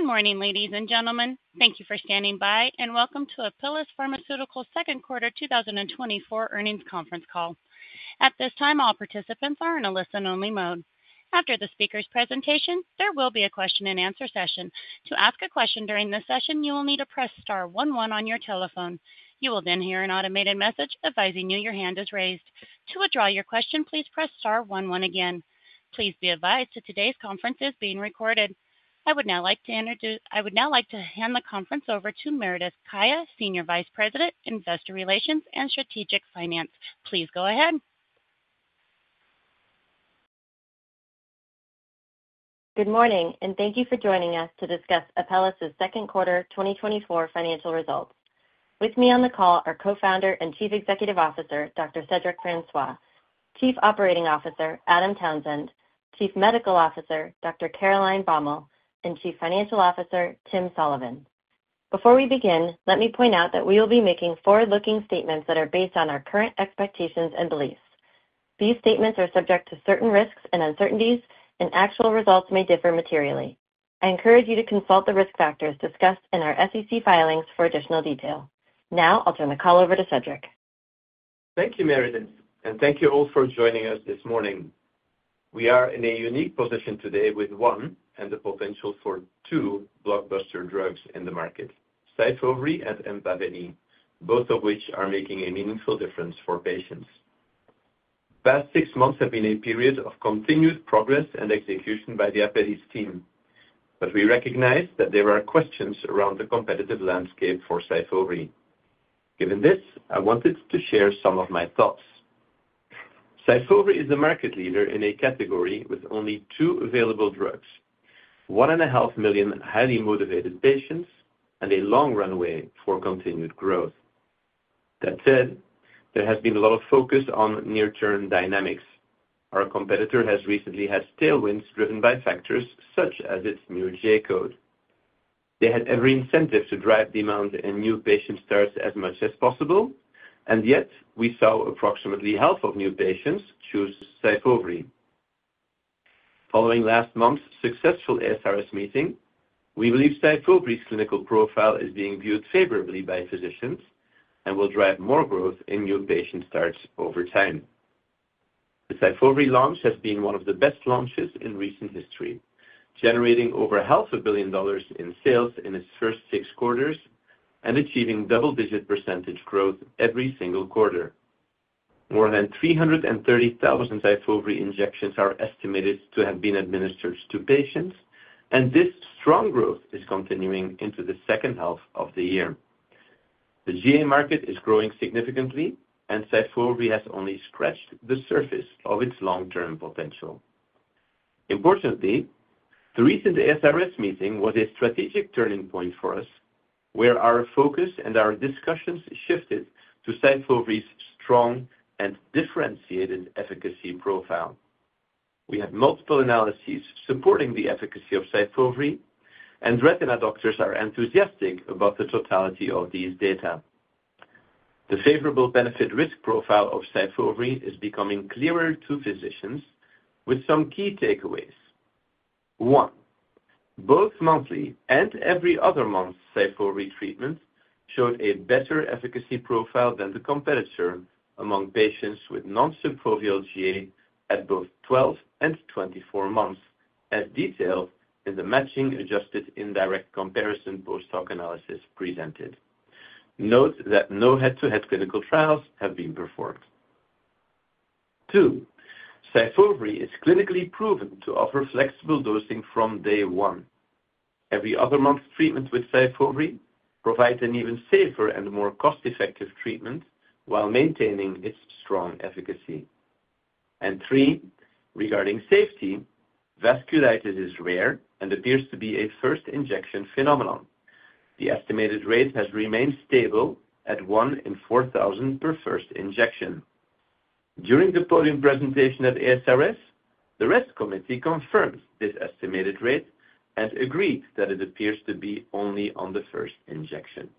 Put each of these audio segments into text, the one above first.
Good morning, ladies and gentlemen. Thank you for standing by, and welcome to Apellis Pharmaceuticals' second quarter 2024 earnings conference call. At this time, all participants are in a listen-only mode. After the speaker's presentation, there will be a question-and-answer session. To ask a question during this session, you will need to press star 11 on your telephone. You will then hear an automated message advising you your hand is raised. To withdraw your question, please press star 11 again. Please be advised that today's conference is being recorded. I would now like to hand the conference over to Meredith Kaya, Senior Vice President, Investor Relations and Strategic Finance. Please go ahead. Good morning, and thank you for joining us to discuss Apellis' second quarter 2024 financial results. With me on the call are Co-Founder and Chief Executive Officer, Dr. Cedric Francois; Chief Operating Officer, Adam Townsend; Chief Medical Officer, Dr. Caroline Baumal; and Chief Financial Officer, Tim Sullivan. Before we begin, let me point out that we will be making forward-looking statements that are based on our current expectations and beliefs. These statements are subject to certain risks and uncertainties, and actual results may differ materially. I encourage you to consult the risk factors discussed in our SEC filings for additional detail. Now, I'll turn the call over to Cedric. Thank you, Meredith, and thank you all for joining us this morning. We are in a unique position today with one and the potential for two blockbuster drugs in the market: SYFOVRE and EMPAVELI, both of which are making a meaningful difference for patients. The past six months have been a period of continued progress and execution by the Apellis team, but we recognize that there are questions around the competitive landscape for SYFOVRE. Given this, I wanted to share some of my thoughts. SYFOVRE is a market leader in a category with only two available drugs: 1.5 million highly motivated patients and a long runway for continued growth. That said, there has been a lot of focus on near-term dynamics. Our competitor has recently had tailwinds driven by factors such as its new J-code. They had every incentive to drive demand and new patient starts as much as possible, and yet we saw approximately half of new patients choose SYFOVRE. Following last month's successful ASRS meeting, we believe SYFOVRE's clinical profile is being viewed favorably by physicians and will drive more growth in new patient starts over time. The SYFOVRE launch has been one of the best launches in recent history, generating over $500 million in sales in its first six quarters and achieving double-digit percentage growth every single quarter. More than 330,000 SYFOVRE injections are estimated to have been administered to patients, and this strong growth is continuing into the second half of the year. The GA market is growing significantly, and SYFOVRE has only scratched the surface of its long-term potential. Importantly, the recent ASRS meeting was a strategic turning point for us, where our focus and our discussions shifted to SYFOVRE's strong and differentiated efficacy profile. We have multiple analyses supporting the efficacy of SYFOVRE, and retina doctors are enthusiastic about the totality of these data. The favorable benefit-risk profile of SYFOVRE is becoming clearer to physicians, with some key takeaways. One, both monthly and every other month, SYFOVRE treatment showed a better efficacy profile than the competitor among patients with non-subfoveal GA at both 12 and 24 months, as detailed in the matching-adjusted indirect comparison post-hoc analysis presented. Note that no head-to-head clinical trials have been performed. Two, SYFOVRE is clinically proven to offer flexible dosing from day one. Every other month, treatment with SYFOVRE provides an even safer and more cost-effective treatment while maintaining its strong efficacy. And three, regarding safety, vasculitis is rare and appears to be a first-injection phenomenon. The estimated rate has remained stable at 1 in 4,000 per first injection. During the podium presentation at ASRS, the risk committee confirmed this estimated rate and agreed that it appears to be only on the first injection.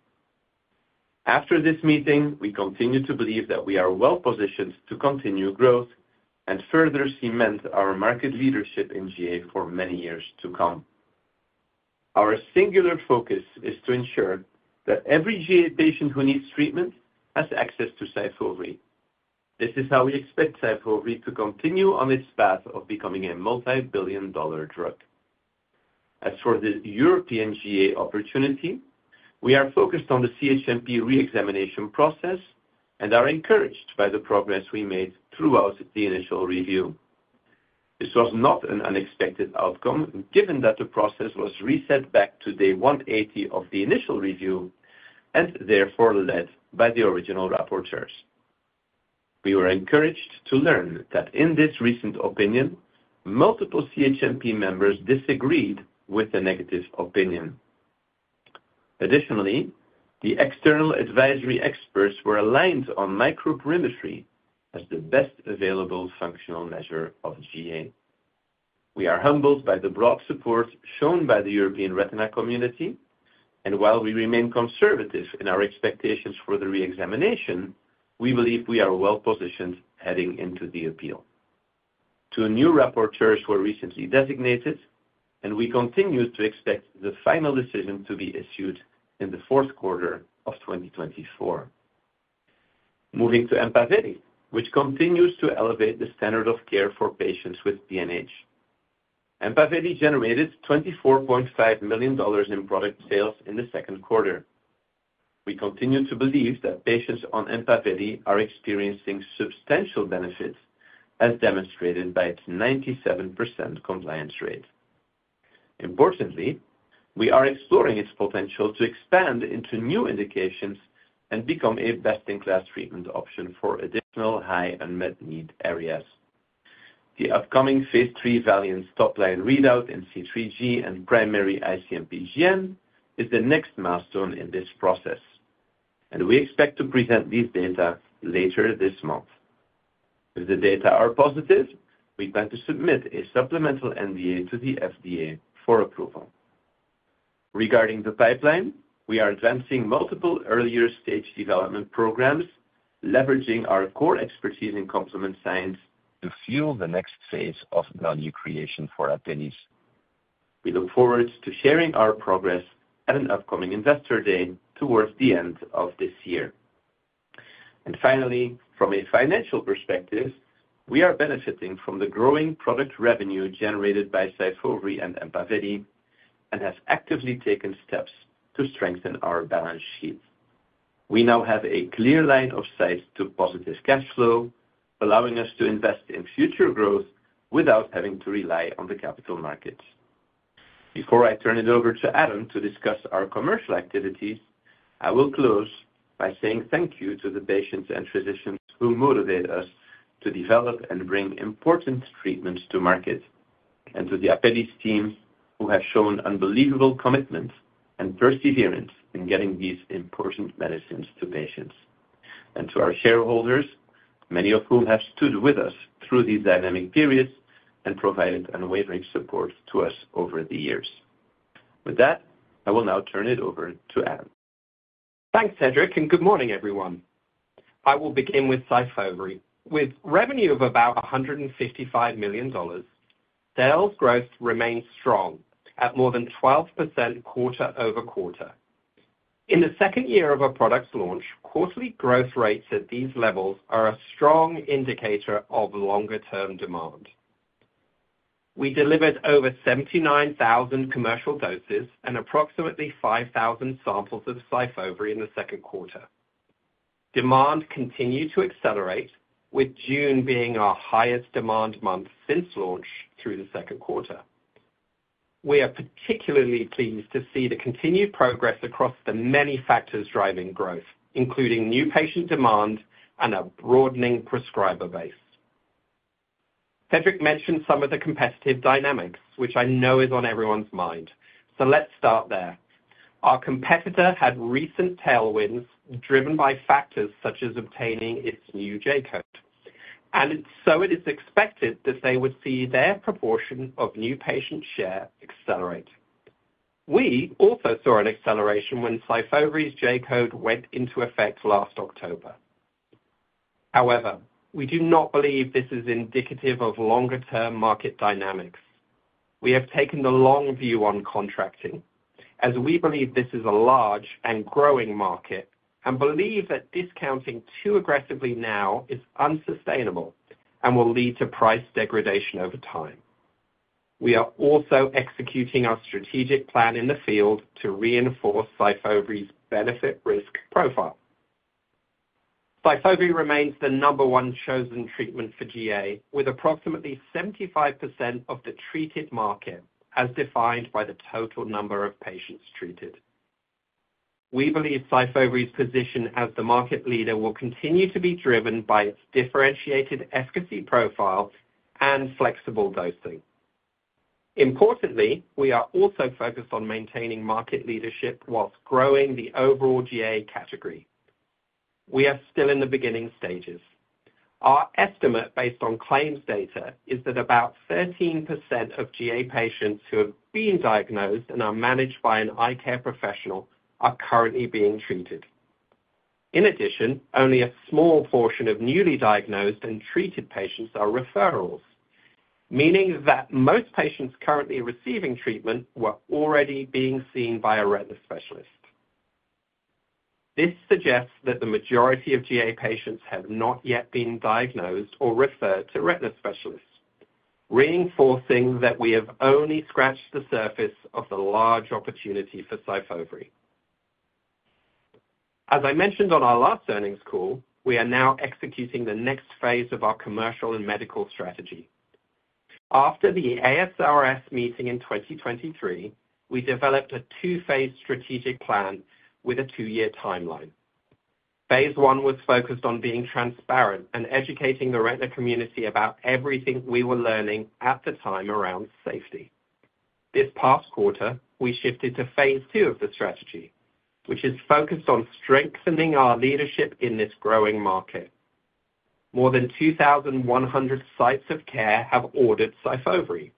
After this meeting, we continue to believe that we are well-positioned to continue growth and further cement our market leadership in GA for many years to come. Our singular focus is to ensure that every GA patient who needs treatment has access to SYFOVRE. This is how we expect SYFOVRE to continue on its path of becoming a multi-billion-dollar drug. As for the European GA opportunity, we are focused on the CHMP re-examination process and are encouraged by the progress we made throughout the initial review. This was not an unexpected outcome, given that the process was reset back to day 180 of the initial review and therefore led by the original rapporteurs. We were encouraged to learn that in this recent opinion, multiple CHMP members disagreed with the negative opinion. Additionally, the external advisory experts were aligned on microperimetry as the best available functional measure of GA. We are humbled by the broad support shown by the European retina community, and while we remain conservative in our expectations for the re-examination, we believe we are well-positioned heading into the appeal. Two new rapporteurs were recently designated, and we continue to expect the final decision to be issued in the fourth quarter of 2024. Moving to EMPAVELI, which continues to elevate the standard of care for patients with PNH. EMPAVELI generated $24.5 million in product sales in the second quarter. We continue to believe that patients on EMPAVELI are experiencing substantial benefits, as demonstrated by its 97% compliance rate. Importantly, we are exploring its potential to expand into new indications and become a best-in-class treatment option for additional high unmet need areas. The upcoming phase III VALIANT topline readout in C3G and IC-MPGN is the next milestone in this process, and we expect to present these data later this month. If the data are positive, we plan to submit a supplemental NDA to the FDA for approval. Regarding the pipeline, we are advancing multiple earlier stage development programs, leveraging our core expertise in complement science to fuel the next phase of value creation for Apellis. We look forward to sharing our progress at an upcoming Investor Day towards the end of this year. Finally, from a financial perspective, we are benefiting from the growing product revenue generated by SYFOVRE and EMPAVELI and have actively taken steps to strengthen our balance sheet. We now have a clear line of sight to positive cash flow, allowing us to invest in future growth without having to rely on the capital markets. Before I turn it over to Adam to discuss our commercial activities, I will close by saying thank you to the patients and physicians who motivate us to develop and bring important treatments to market, and to the Apellis team who have shown unbelievable commitment and perseverance in getting these important medicines to patients, and to our shareholders, many of whom have stood with us through these dynamic periods and provided unwavering support to us over the years. With that, I will now turn it over to Adam. Thanks, Cedric, and good morning, everyone. I will begin with SYFOVRE. With revenue of about $155 million, sales growth remains strong at more than 12% quarter-over-quarter. In the second year of our product's launch, quarterly growth rates at these levels are a strong indicator of longer-term demand. We delivered over 79,000 commercial doses and approximately 5,000 samples of SYFOVRE in the second quarter. Demand continued to accelerate, with June being our highest demand month since launch through the second quarter. We are particularly pleased to see the continued progress across the many factors driving growth, including new patient demand and a broadening prescriber base. Cedric mentioned some of the competitive dynamics, which I know is on everyone's mind, so let's start there. Our competitor had recent tailwinds driven by factors such as obtaining its new J-code, and so it is expected that they would see their proportion of new patient share accelerate. We also saw an acceleration when SYFOVRE's J-code went into effect last October. However, we do not believe this is indicative of longer-term market dynamics. We have taken the long view on contracting, as we believe this is a large and growing market and believe that discounting too aggressively now is unsustainable and will lead to price degradation over time. We are also executing our strategic plan in the field to reinforce SYFOVRE's benefit-risk profile. SYFOVRE remains the number one chosen treatment for GA, with approximately 75% of the treated market as defined by the total number of patients treated. We believe SYFOVRE's position as the market leader will continue to be driven by its differentiated efficacy profile and flexible dosing. Importantly, we are also focused on maintaining market leadership while growing the overall GA category. We are still in the beginning stages. Our estimate, based on claims data, is that about 13% of GA patients who have been diagnosed and are managed by an eye care professional are currently being treated. In addition, only a small portion of newly diagnosed and treated patients are referrals, meaning that most patients currently receiving treatment were already being seen by a retina specialist. This suggests that the majority of GA patients have not yet been diagnosed or referred to retina specialists, reinforcing that we have only scratched the surface of the large opportunity for SYFOVRE. As I mentioned on our last earnings call, we are now executing the next phase of our commercial and medical strategy. After the ASRS meeting in 2023, we developed a two-phase strategic plan with a two-year timeline. Phase one was focused on being transparent and educating the retina community about everything we were learning at the time around safety. This past quarter, we shifted to phase two of the strategy, which is focused on strengthening our leadership in this growing market. More than 2,100 sites of care have ordered SYFOVRE.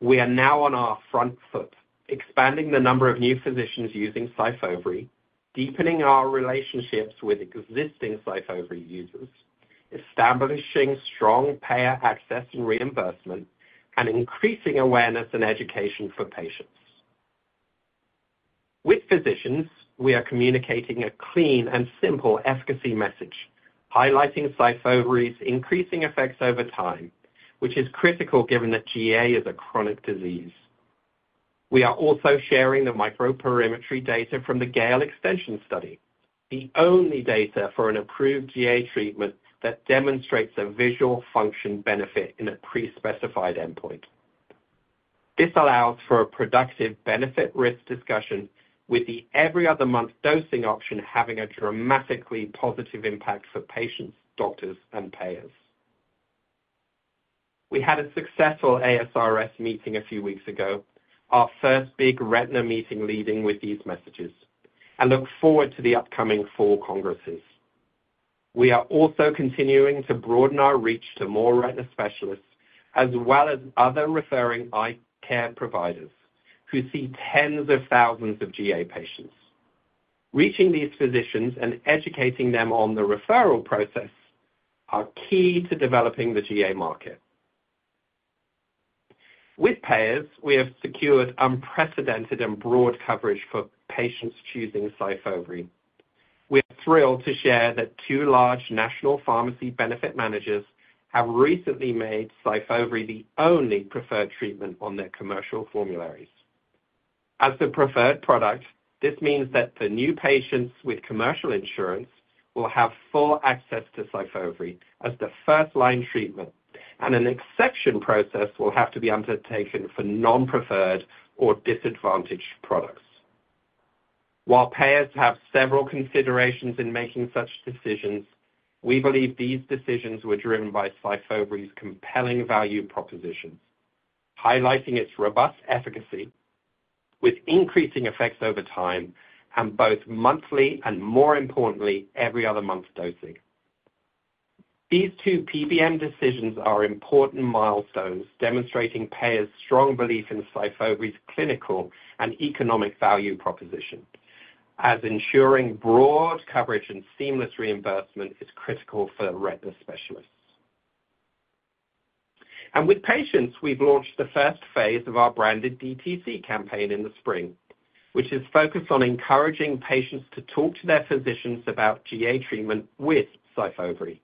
We are now on our front foot, expanding the number of new physicians using SYFOVRE, deepening our relationships with existing SYFOVRE users, establishing strong payer access and reimbursement, and increasing awareness and education for patients. With physicians, we are communicating a clean and simple efficacy message, highlighting SYFOVRE's increasing effects over time, which is critical given that GA is a chronic disease. We are also sharing the microperimetry data from the GALE extension study, the only data for an approved GA treatment that demonstrates a visual function benefit in a pre-specified endpoint. This allows for a productive benefit-risk discussion, with the every other month dosing option having a dramatically positive impact for patients, doctors, and payers. We had a successful ASRS meeting a few weeks ago, our first big retina meeting leading with these messages, and look forward to the upcoming four congresses. We are also continuing to broaden our reach to more retina specialists, as well as other referring eye care providers who see tens of thousands of GA patients. Reaching these physicians and educating them on the referral process are key to developing the GA market. With payers, we have secured unprecedented and broad coverage for patients choosing SYFOVRE. We are thrilled to share that two large national pharmacy benefit managers have recently made SYFOVRE the only preferred treatment on their commercial formularies. As the preferred product, this means that the new patients with commercial insurance will have full access to SYFOVRE as the first-line treatment, and an exception process will have to be undertaken for non-preferred or disadvantaged products. While payers have several considerations in making such decisions, we believe these decisions were driven by SYFOVRE's compelling value propositions, highlighting its robust efficacy with increasing effects over time and both monthly and, more importantly, every other month dosing. These two PBM decisions are important milestones demonstrating payers' strong belief in SYFOVRE's clinical and economic value proposition, as ensuring broad coverage and seamless reimbursement is critical for retina specialists. With patients, we've launched the first phase of our branded DTC campaign in the spring, which is focused on encouraging patients to talk to their physicians about GA treatment with SYFOVRE.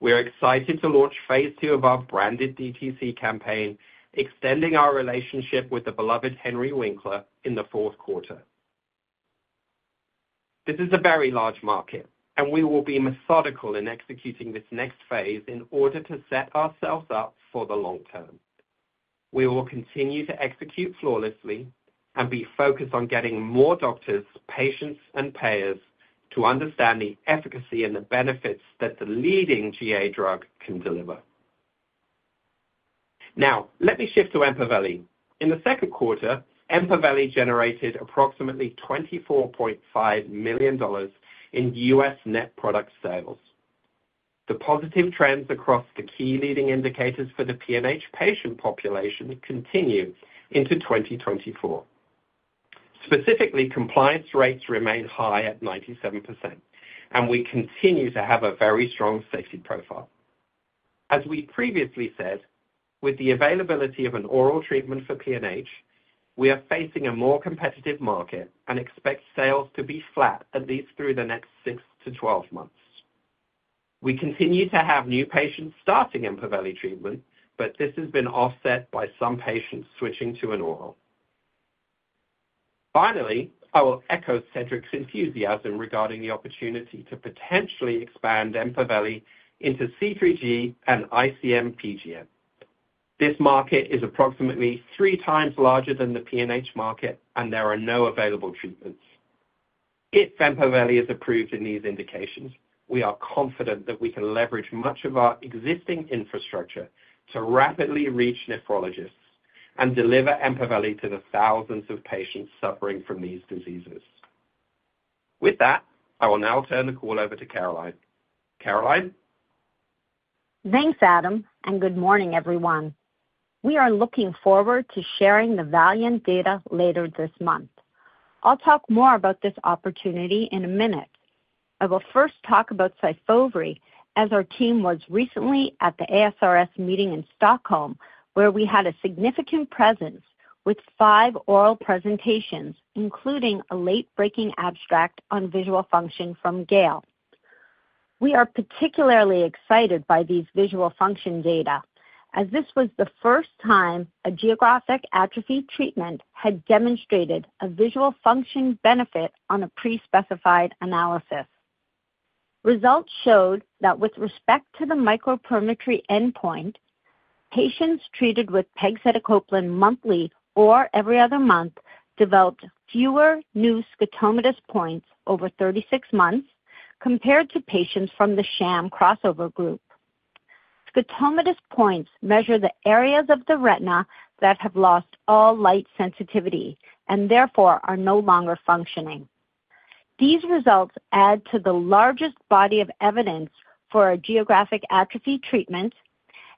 We're excited to launch phase two of our branded DTC campaign, extending our relationship with the beloved Henry Winkler in the fourth quarter. This is a very large market, and we will be methodical in executing this next phase in order to set ourselves up for the long term. We will continue to execute flawlessly and be focused on getting more doctors, patients, and payers to understand the efficacy and the benefits that the leading GA drug can deliver. Now, let me shift to EMPAVELI. In the second quarter, EMPAVELI generated approximately $24.5 million in U.S. net product sales. The positive trends across the key leading indicators for the PNH patient population continue into 2024. Specifically, compliance rates remain high at 97%, and we continue to have a very strong safety profile. As we previously said, with the availability of an oral treatment for PNH, we are facing a more competitive market and expect sales to be flat at least through the next 6-12 months. We continue to have new patients starting EMPAVELI treatment, but this has been offset by some patients switching to an oral. Finally, I will echo Cedric's enthusiasm regarding the opportunity to potentially expand EMPAVELI into C3G and IC-MPGN. This market is approximately 3x larger than the PNH market, and there are no available treatments. If EMPAVELI is approved in these indications, we are confident that we can leverage much of our existing infrastructure to rapidly reach nephrologists and deliver EMPAVELI to the thousands of patients suffering from these diseases. With that, I will now turn the call over to Caroline. Caroline? Thanks, Adam, and good morning, everyone. We are looking forward to sharing the VALIANT data later this month. I'll talk more about this opportunity in a minute. I will first talk about SYFOVRE, as our team was recently at the ASRS meeting in Stockholm, where we had a significant presence with five oral presentations, including a late-breaking abstract on visual function from GALE. We are particularly excited by these visual function data, as this was the first time a geographic atrophy treatment had demonstrated a visual function benefit on a pre-specified analysis. Results showed that with respect to the microperimetry endpoint, patients treated with pegcetacoplan monthly or every other month developed fewer new scotomatous points over 36 months compared to patients from the sham crossover group. Scotomatous points measure the areas of the retina that have lost all light sensitivity and therefore are no longer functioning. These results add to the largest body of evidence for a geographic atrophy treatment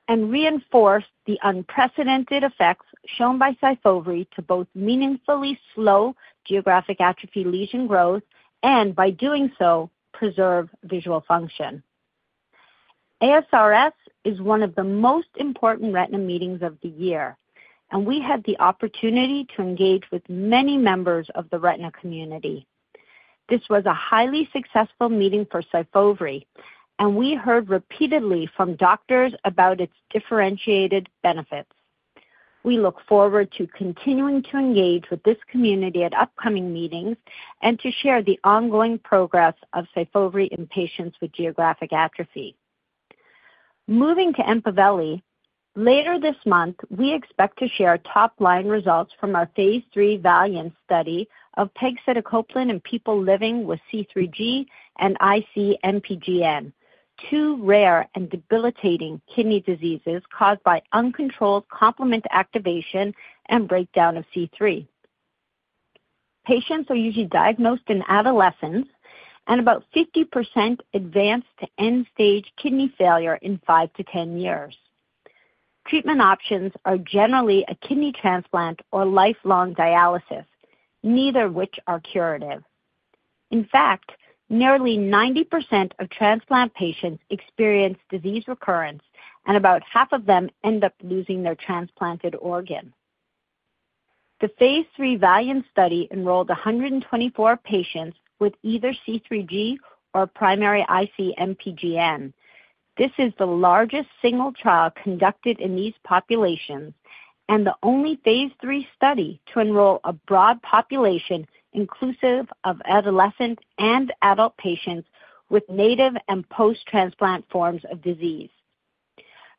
and reinforce the unprecedented effects shown by SYFOVRE to both meaningfully slow geographic atrophy lesion growth and, by doing so, preserve visual function. ASRS is one of the most important retina meetings of the year, and we had the opportunity to engage with many members of the retina community. This was a highly successful meeting for SYFOVRE, and we heard repeatedly from doctors about its differentiated benefits. We look forward to continuing to engage with this community at upcoming meetings and to share the ongoing progress of SYFOVRE in patients with geographic atrophy. Moving to EMPAVELI, later this month, we expect to share top-line results from our phase III VALIANT study of pegcetacoplan in people living with C3G and IC-MPGN, two rare and debilitating kidney diseases caused by uncontrolled complement activation and breakdown of C3. Patients are usually diagnosed in adolescence, and about 50% advance to end-stage kidney failure in 5-10 years. Treatment options are generally a kidney transplant or lifelong dialysis, neither of which are curative. In fact, nearly 90% of transplant patients experience disease recurrence, and about half of them end up losing their transplanted organ. The phase III VALIANT study enrolled 124 patients with either C3G or primary IC-MPGN. This is the largest single trial conducted in these populations and the only phase III study to enroll a broad population inclusive of adolescent and adult patients with native and post-transplant forms of disease.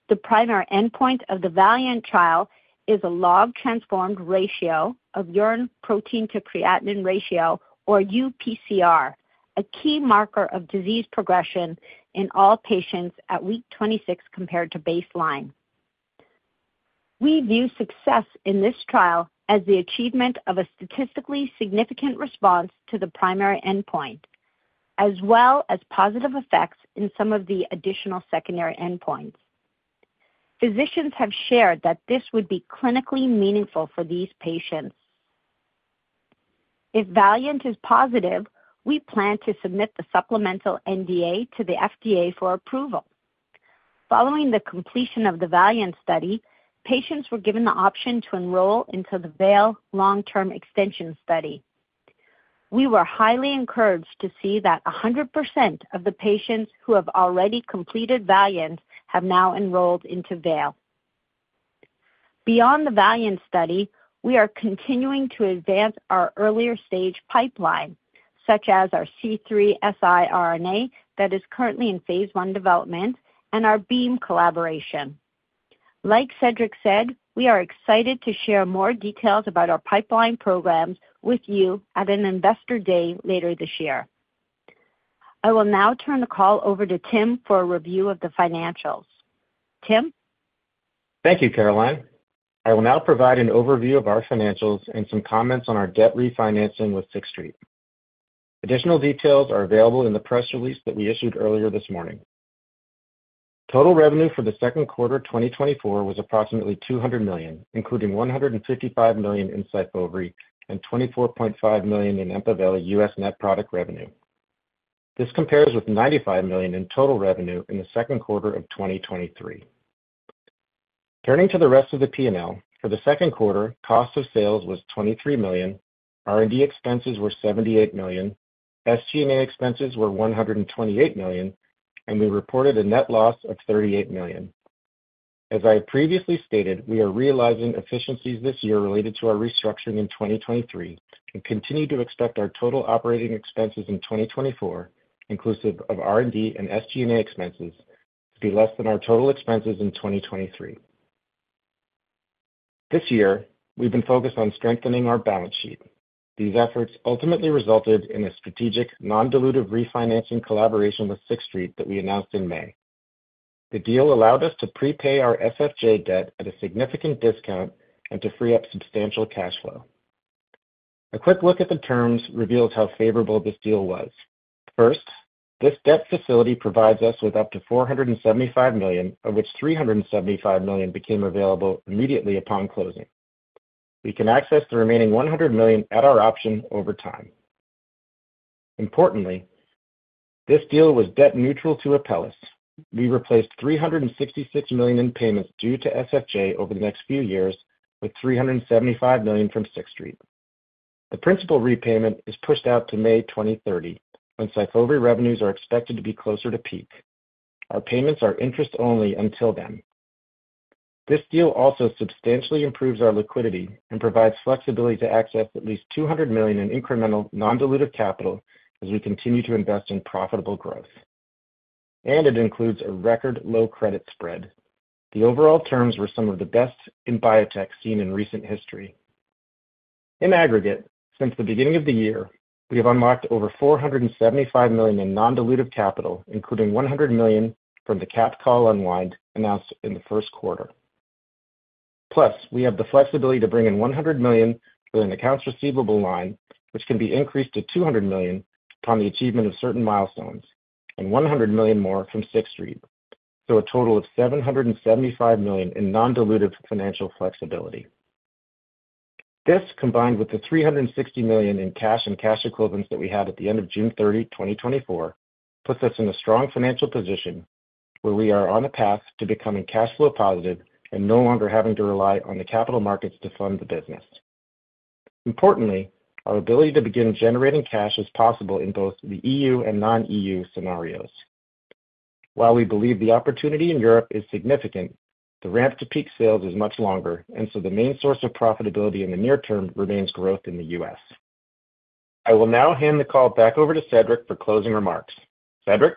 The primary endpoint of the VALIANT trial is a log-transformed ratio of urine protein-to-creatinine ratio, or UPCR, a key marker of disease progression in all patients at week 26 compared to baseline. We view success in this trial as the achievement of a statistically significant response to the primary endpoint, as well as positive effects in some of the additional secondary endpoints. Physicians have shared that this would be clinically meaningful for these patients. If VALIANT is positive, we plan to submit the supplemental NDA to the FDA for approval. Following the completion of the VALIANT study, patients were given the option to enroll into the VALE long-term extension study. We were highly encouraged to see that 100% of the patients who have already completed VALIANT have now enrolled into VALE. Beyond the VALIANT study, we are continuing to advance our earlier stage pipeline, such as our C3 siRNA that is currently in phase I development and our Beam collaboration. Like Cedric said, we are excited to share more details about our pipeline programs with you at an Investor Day later this year. I will now turn the call over to Tim for a review of the financials. Tim? Thank you, Caroline. I will now provide an overview of our financials and some comments on our debt refinancing with Sixth Street. Additional details are available in the press release that we issued earlier this morning. Total revenue for the second quarter 2024 was approximately $200 million, including $155 million in SYFOVRE and $24.5 million in EMPAVELI U.S. net product revenue. This compares with $95 million in total revenue in the second quarter of 2023. Turning to the rest of the P&L, for the second quarter, cost of sales was $23 million, R&D expenses were $78 million, SG&A expenses were $128 million, and we reported a net loss of $38 million. As I have previously stated, we are realizing efficiencies this year related to our restructuring in 2023 and continue to expect our total operating expenses in 2024, inclusive of R&D and SG&A expenses, to be less than our total expenses in 2023. This year, we've been focused on strengthening our balance sheet. These efforts ultimately resulted in a strategic non-dilutive refinancing collaboration with Sixth Street that we announced in May. The deal allowed us to prepay our SFJ debt at a significant discount and to free up substantial cash flow. A quick look at the terms reveals how favorable this deal was. First, this debt facility provides us with up to $475 million, of which $375 million became available immediately upon closing. We can access the remaining $100 million at our option over time. Importantly, this deal was debt neutral to Apellis. We replaced $366 million in payments due to SFJ over the next few years with $375 million from Sixth Street. The principal repayment is pushed out to May 2030, when SYFOVRE revenues are expected to be closer to peak. Our payments are interest-only until then. This deal also substantially improves our liquidity and provides flexibility to access at least $200 million in incremental non-dilutive capital as we continue to invest in profitable growth. And it includes a record low credit spread. The overall terms were some of the best in biotech seen in recent history. In aggregate, since the beginning of the year, we have unlocked over $475 million in non-dilutive capital, including $100 million from the capped call unwind announced in the first quarter. Plus, we have the flexibility to bring in $100 million with an accounts receivable line, which can be increased to $200 million upon the achievement of certain milestones, and $100 million more from Sixth Street. So, a total of $775 million in non-dilutive financial flexibility. This, combined with the $360 million in cash and cash equivalents that we had at the end of June 30, 2024, puts us in a strong financial position where we are on a path to becoming cash flow positive and no longer having to rely on the capital markets to fund the business. Importantly, our ability to begin generating cash is possible in both the EU and non-EU scenarios. While we believe the opportunity in Europe is significant, the ramp to peak sales is much longer, and so the main source of profitability in the near term remains growth in the U.S. I will now hand the call back over to Cedric for closing remarks. Cedric?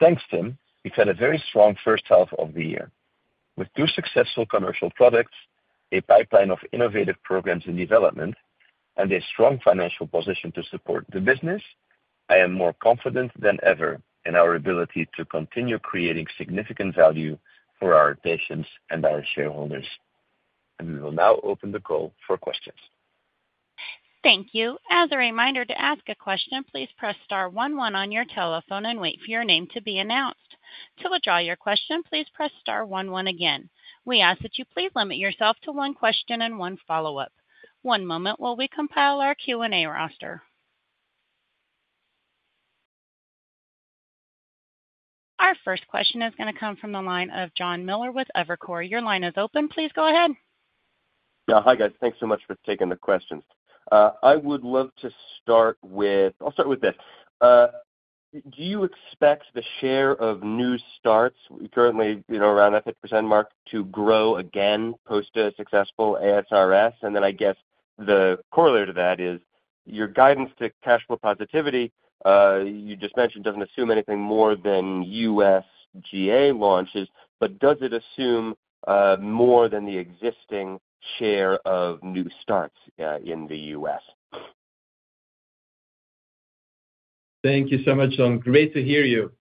Thanks, Tim. We've had a very strong first half of the year. With two successful commercial products, a pipeline of innovative programs in development, and a strong financial position to support the business, I am more confident than ever in our ability to continue creating significant value for our patients and our shareholders. We will now open the call for questions. Thank you. As a reminder to ask a question, please press star one one on your telephone and wait for your name to be announced. To withdraw your question, please press star one one again. We ask that you please limit yourself to one question and one follow-up. One moment while we compile our Q&A roster. Our first question is going to come from the line of Jon Miller with Evercore. Your line is open. Please go ahead. Yeah. Hi, guys. Thanks so much for taking the questions. I would love to start with. I'll start with this. Do you expect the share of new starts, currently around that 5% mark, to grow again post a successful ASRS? And then I guess the corollary to that is your guidance to cash flow positivity you just mentioned doesn't assume anything more than U.S. GA launches, but does it assume more than the existing share of new starts in the U.S.? Thank you so much, Jon. Great to hear you.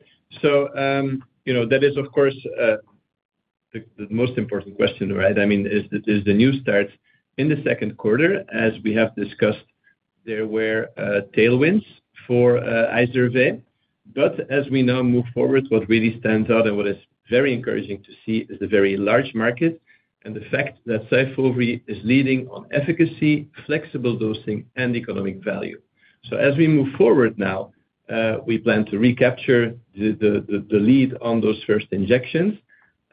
So that is, of course, the most important question, right? I mean, is the new starts in the second quarter? As we have discussed, there were tailwinds for IZERVAY, but as we now move forward, what really stands out and what is very encouraging to see is the very large market and the fact that SYFOVRE is leading on efficacy, flexible dosing, and economic value. So as we move forward now, we plan to recapture the lead on those first injections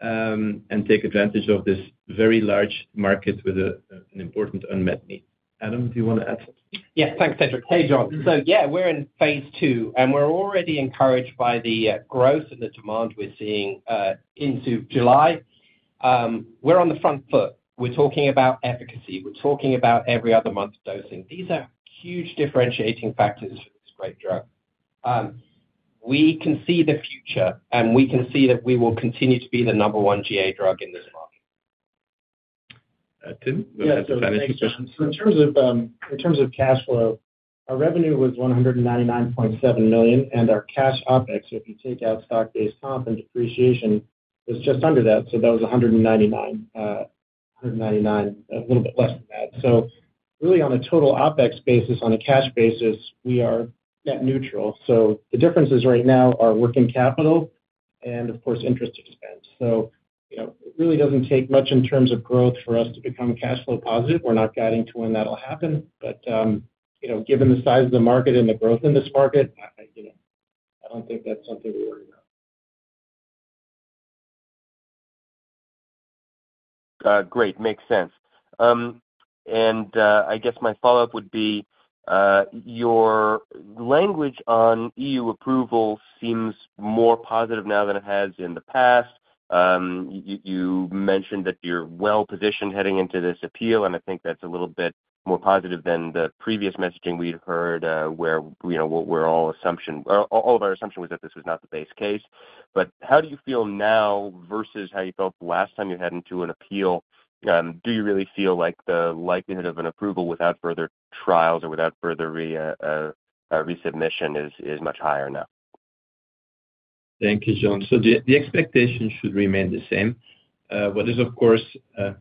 and take advantage of this very large market with an important unmet need. Adam, do you want to add something? Yeah. Thanks, Cedric. Hey, Jon. So yeah, we're in phase two, and we're already encouraged by the growth and the demand we're seeing into July. We're on the front foot. We're talking about efficacy. We're talking about every other month dosing. These are huge differentiating factors for this great drug. We can see the future, and we can see that we will continue to be the number one GA drug in this market. Tim? Yes, I'm sorry. So in terms of cash flow, our revenue was $199.7 million, and our cash OPEX, so if you take out stock-based comp and depreciation, was just under that. So that was $199, a little bit less than that. So really, on a total OpEx basis, on a cash basis, we are net neutral. So the differences right now are working capital and, of course, interest expense. So it really doesn't take much in terms of growth for us to become cash flow positive. We're not guiding to when that'll happen, but given the size of the market and the growth in this market, I don't think that's something we worry about. Great. Makes sense. And I guess my follow-up would be your language on EU approval seems more positive now than it has in the past. You mentioned that you're well-positioned heading into this appeal, and I think that's a little bit more positive than the previous messaging we'd heard where all of our assumption was that this was not the base case. But how do you feel now versus how you felt last time you head into an appeal? Do you really feel like the likelihood of an approval without further trials or without further resubmission is much higher now? Thank you, Jon. So the expectation should remain the same. What is, of course, the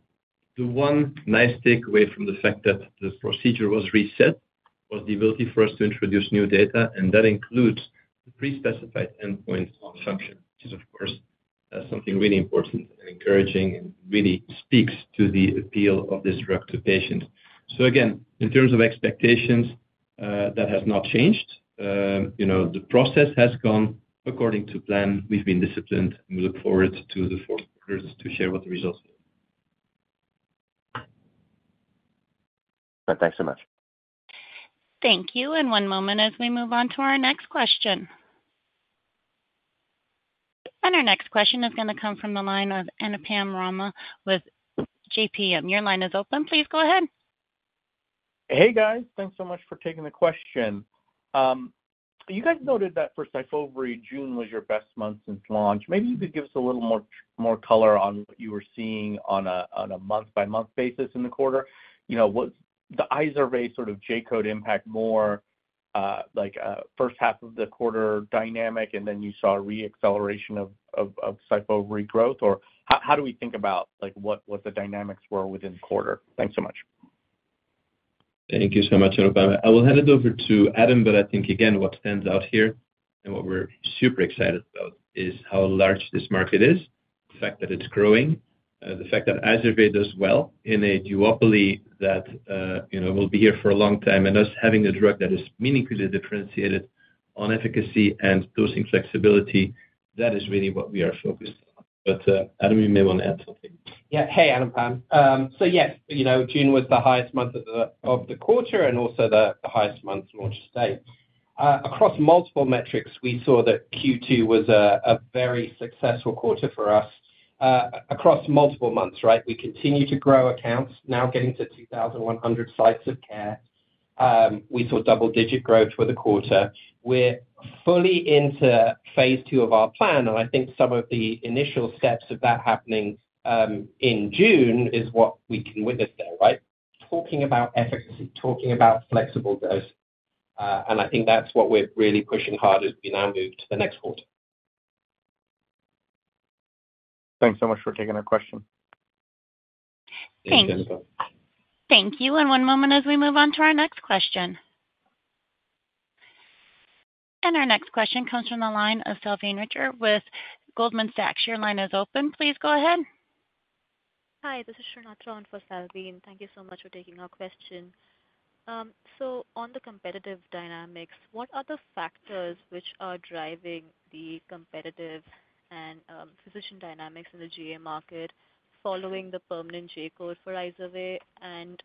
one nice takeaway from the fact that the procedure was reset was the ability for us to introduce new data, and that includes the pre-specified endpoint function, which is, of course, something really important and encouraging and really speaks to the appeal of this drug to patients. So again, in terms of expectations, that has not changed. The process has gone according to plan. We've been disciplined, and we look forward to the fourth quarter to share what the results will be. Excellent. Thanks so much. Thank you. One moment as we move on to our next question. Our next question is going to come from the line of Anupam Rama with JPM. Your line is open. Please go ahead. Hey, guys. Thanks so much for taking the question. You guys noted that for SYFOVRE, June was your best month since launch. Maybe you could give us a little more color on what you were seeing on a month-by-month basis in the quarter. Was the IZERVAY sort of J-code impact more like a first half of the quarter dynamic, and then you saw re-acceleration of SYFOVRE growth? Or how do we think about what the dynamics were within the quarter? Thanks so much. Thank you so much, Anupam. I will hand it over to Adam, but I think, again, what stands out here and what we're super excited about is how large this market is, the fact that it's growing, the fact that IZERVAY does well in a duopoly that will be here for a long time. And us having a drug that is meaningfully differentiated on efficacy and dosing flexibility, that is really what we are focused on. But Adam, you may want to add something. Yeah. Hey, everyone. So yes, June was the highest month of the quarter and also the highest month launch to date. Across multiple metrics, we saw that Q2 was a very successful quarter for us across multiple months, right? We continue to grow accounts, now getting to 2,100 sites of care. We saw double-digit growth for the quarter. We're fully into phase two of our plan, and I think some of the initial steps of that happening in June is what we can witness there, right? Talking about efficacy, talking about flexible dose. And I think that's what we're really pushing hard as we now move to the next quarter. Thanks so much for taking our question. Thank you. One moment as we move on to our next question. Our next question comes from the line of Salveen Richter with Goldman Sachs. Your line is open. Please go ahead. Hi. This is [Srinath Rao] for Salveen. Thank you so much for taking our question. So on the competitive dynamics, what are the factors which are driving the competitive and position dynamics in the GA market following the permanent J-code for IZERVAY? And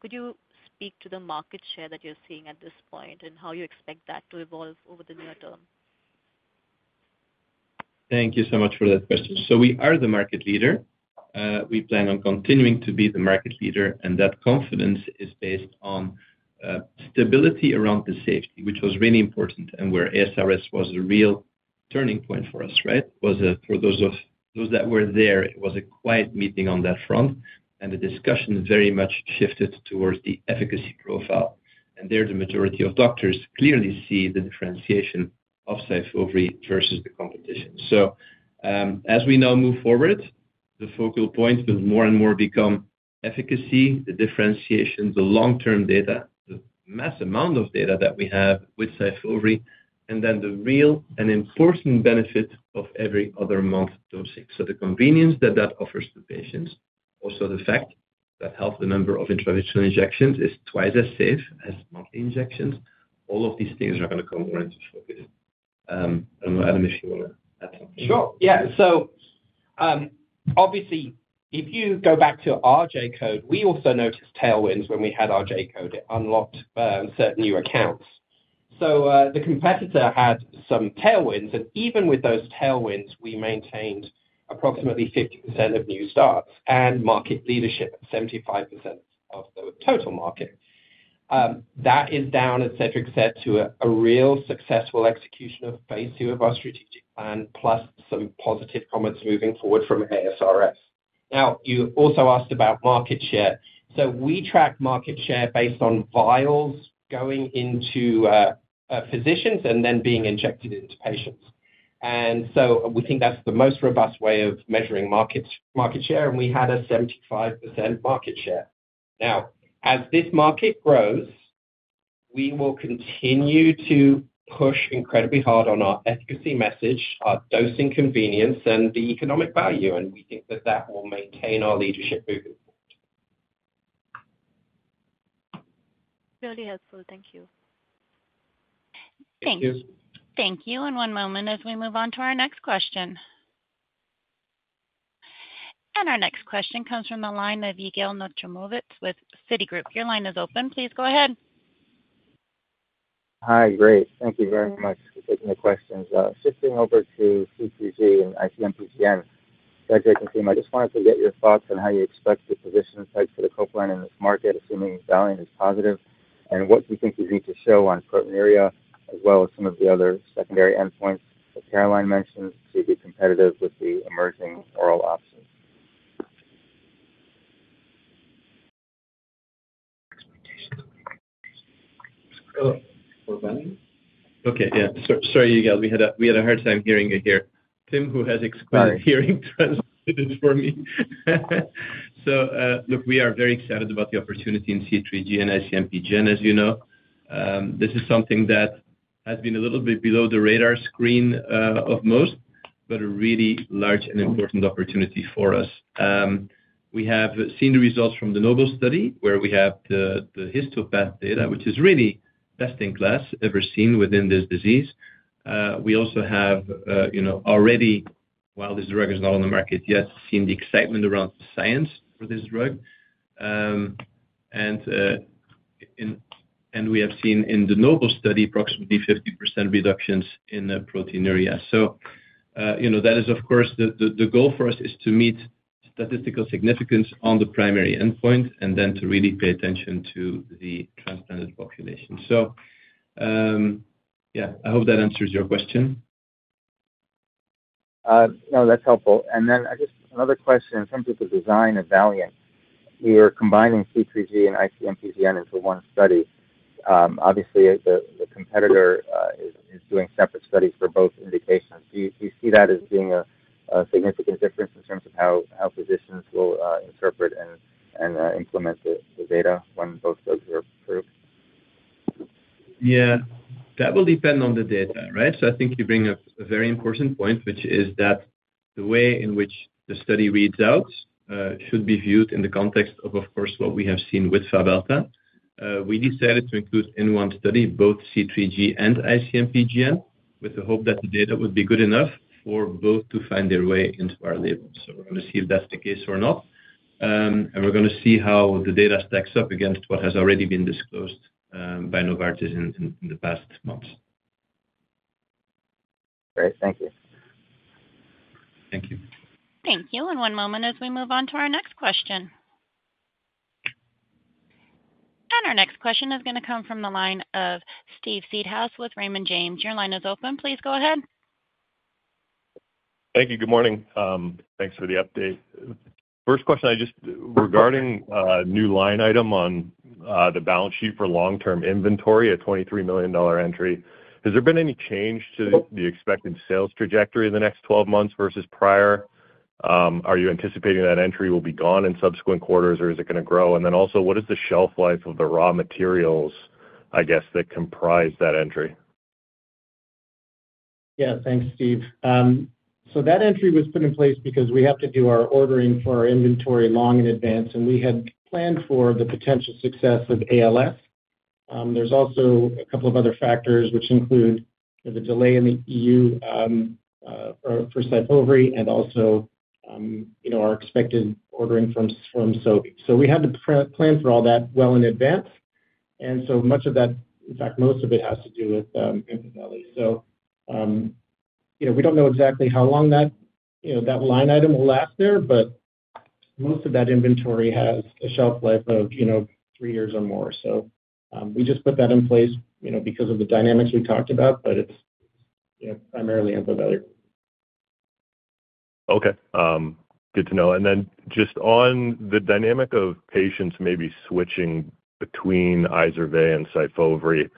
could you speak to the market share that you're seeing at this point and how you expect that to evolve over the near term? Thank you so much for that question. So we are the market leader. We plan on continuing to be the market leader, and that confidence is based on stability around the safety, which was really important, and where ASRS was a real turning point for us, right? For those that were there, it was a quiet meeting on that front, and the discussion very much shifted towards the efficacy profile. And there, the majority of doctors clearly see the differentiation of SYFOVRE versus the competition. So as we now move forward, the focal point will more and more become efficacy, the differentiation, the long-term data, the mass amount of data that we have with SYFOVRE, and then the real and important benefit of every other month dosing. So the convenience that that offers to patients, also the fact that half the number of intravitreal injections is twice as safe as monthly injections, all of these things are going to come more into focus. I don't know, Adam, if you want to add something? Sure. Yeah. So obviously, if you go back to our J-code, we also noticed tailwinds when we had our J-code. It unlocked certain new accounts. So the competitor had some tailwinds, and even with those tailwinds, we maintained approximately 50% of new starts and market leadership at 75% of the total market. That is down, as Cedric said, to a real successful execution of phase two of our strategic plan, plus some positive comments moving forward from ASRS. Now, you also asked about market share. So we track market share based on vials going into physicians and then being injected into patients. And so we think that's the most robust way of measuring market share, and we had a 75% market share. Now, as this market grows, we will continue to push incredibly hard on our efficacy message, our dosing convenience, and the economic value, and we think that that will maintain our leadership moving forward. Really helpful. Thank you. Thank you. Thank you. One moment as we move on to our next question. Our next question comes from the line of Yigal Nochomovitz with Citigroup. Your line is open. Please go ahead. Hi. Great. Thank you very much for taking the questions. Shifting over to C3G and IC-MPGN. Cedric and Tim, I just wanted to get your thoughts on how you expect to position yourselves for the pegcetacoplan in this market, assuming VALIANT is positive, and what do you think you need to show on proteinuria, as well as some of the other secondary endpoints that Caroline mentioned to be competitive with the emerging oral options? Hello. Okay. Yeah. Sorry, Yigal. We had a hard time hearing you here. Tim, who has exquisite hearing, transmitted for me. So look, we are very excited about the opportunity in C3G and IC-MPGN, as you know. This is something that has been a little bit below the radar screen of most, but a really large and important opportunity for us. We have seen the results from the NOBLE study where we have the histopath data, which is really best in class ever seen within this disease. We also have already, while this drug is not on the market yet, seen the excitement around the science for this drug. And we have seen in the NOBLE study approximately 50% reductions in proteinuria. So that is, of course, the goal for us is to meet statistical significance on the primary endpoint and then to really pay attention to the transplanted population. So yeah, I hope that answers your question. No, that's helpful. And then I guess another question in terms of the design of VALIANT. We are combining C3G and IC-MPGN into one study. Obviously, the competitor is doing separate studies for both indications. Do you see that as being a significant difference in terms of how physicians will interpret and implement the data when both drugs are approved? Yeah. That will depend on the data, right? So I think you bring up a very important point, which is that the way in which the study reads out should be viewed in the context of, of course, what we have seen with FABHALTA. We decided to include in one study both C3G and IC-MPGN with the hope that the data would be good enough for both to find their way into our label. So we're going to see if that's the case or not, and we're going to see how the data stacks up against what has already been disclosed by Novartis in the past months. Great. Thank you. Thank you. Thank you. And one moment as we move on to our next question. And our next question is going to come from the line of Steve Seedhouse with Raymond James. Your line is open. Please go ahead. Thank you. Good morning. Thanks for the update. First question regarding a new line item on the balance sheet for long-term inventory, a $23 million entry. Has there been any change to the expected sales trajectory in the next 12 months versus prior? Are you anticipating that entry will be gone in subsequent quarters, or is it going to grow? And then also, what is the shelf life of the raw materials, I guess, that comprise that entry? Yeah. Thanks, Steve. So that entry was put in place because we have to do our ordering for our inventory long in advance, and we had planned for the potential success of ALS. There's also a couple of other factors, which include the delay in the EU for SYFOVRE and also our expected ordering from Sobi. So we had to plan for all that well in advance. And so much of that, in fact, most of it has to do with EMPAVELI. So we don't know exactly how long that line item will last there, but most of that inventory has a shelf life of three years or more. So we just put that in place because of the dynamics we talked about, but it's primarily EMPAVELI. Okay. Good to know. And then just on the dynamic of patients maybe switching between IZERVAY and SYFOVRE,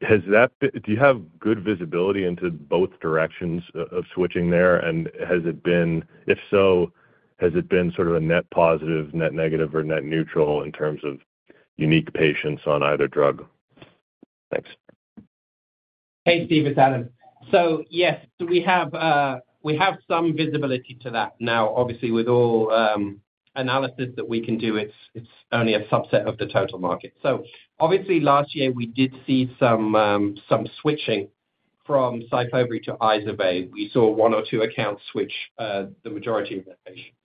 do you have good visibility into both directions of switching there? And has it—if so—has it been sort of a net positive, net negative, or net neutral in terms of unique patients on either drug? Thanks. Hey, Steve. It's Adam. So yes, we have some visibility to that now. Obviously, with all analysis that we can do, it's only a subset of the total market. So obviously, last year, we did see some switching from SYFOVRE to IZERVAY. We saw one or two accounts switch the majority of their patients.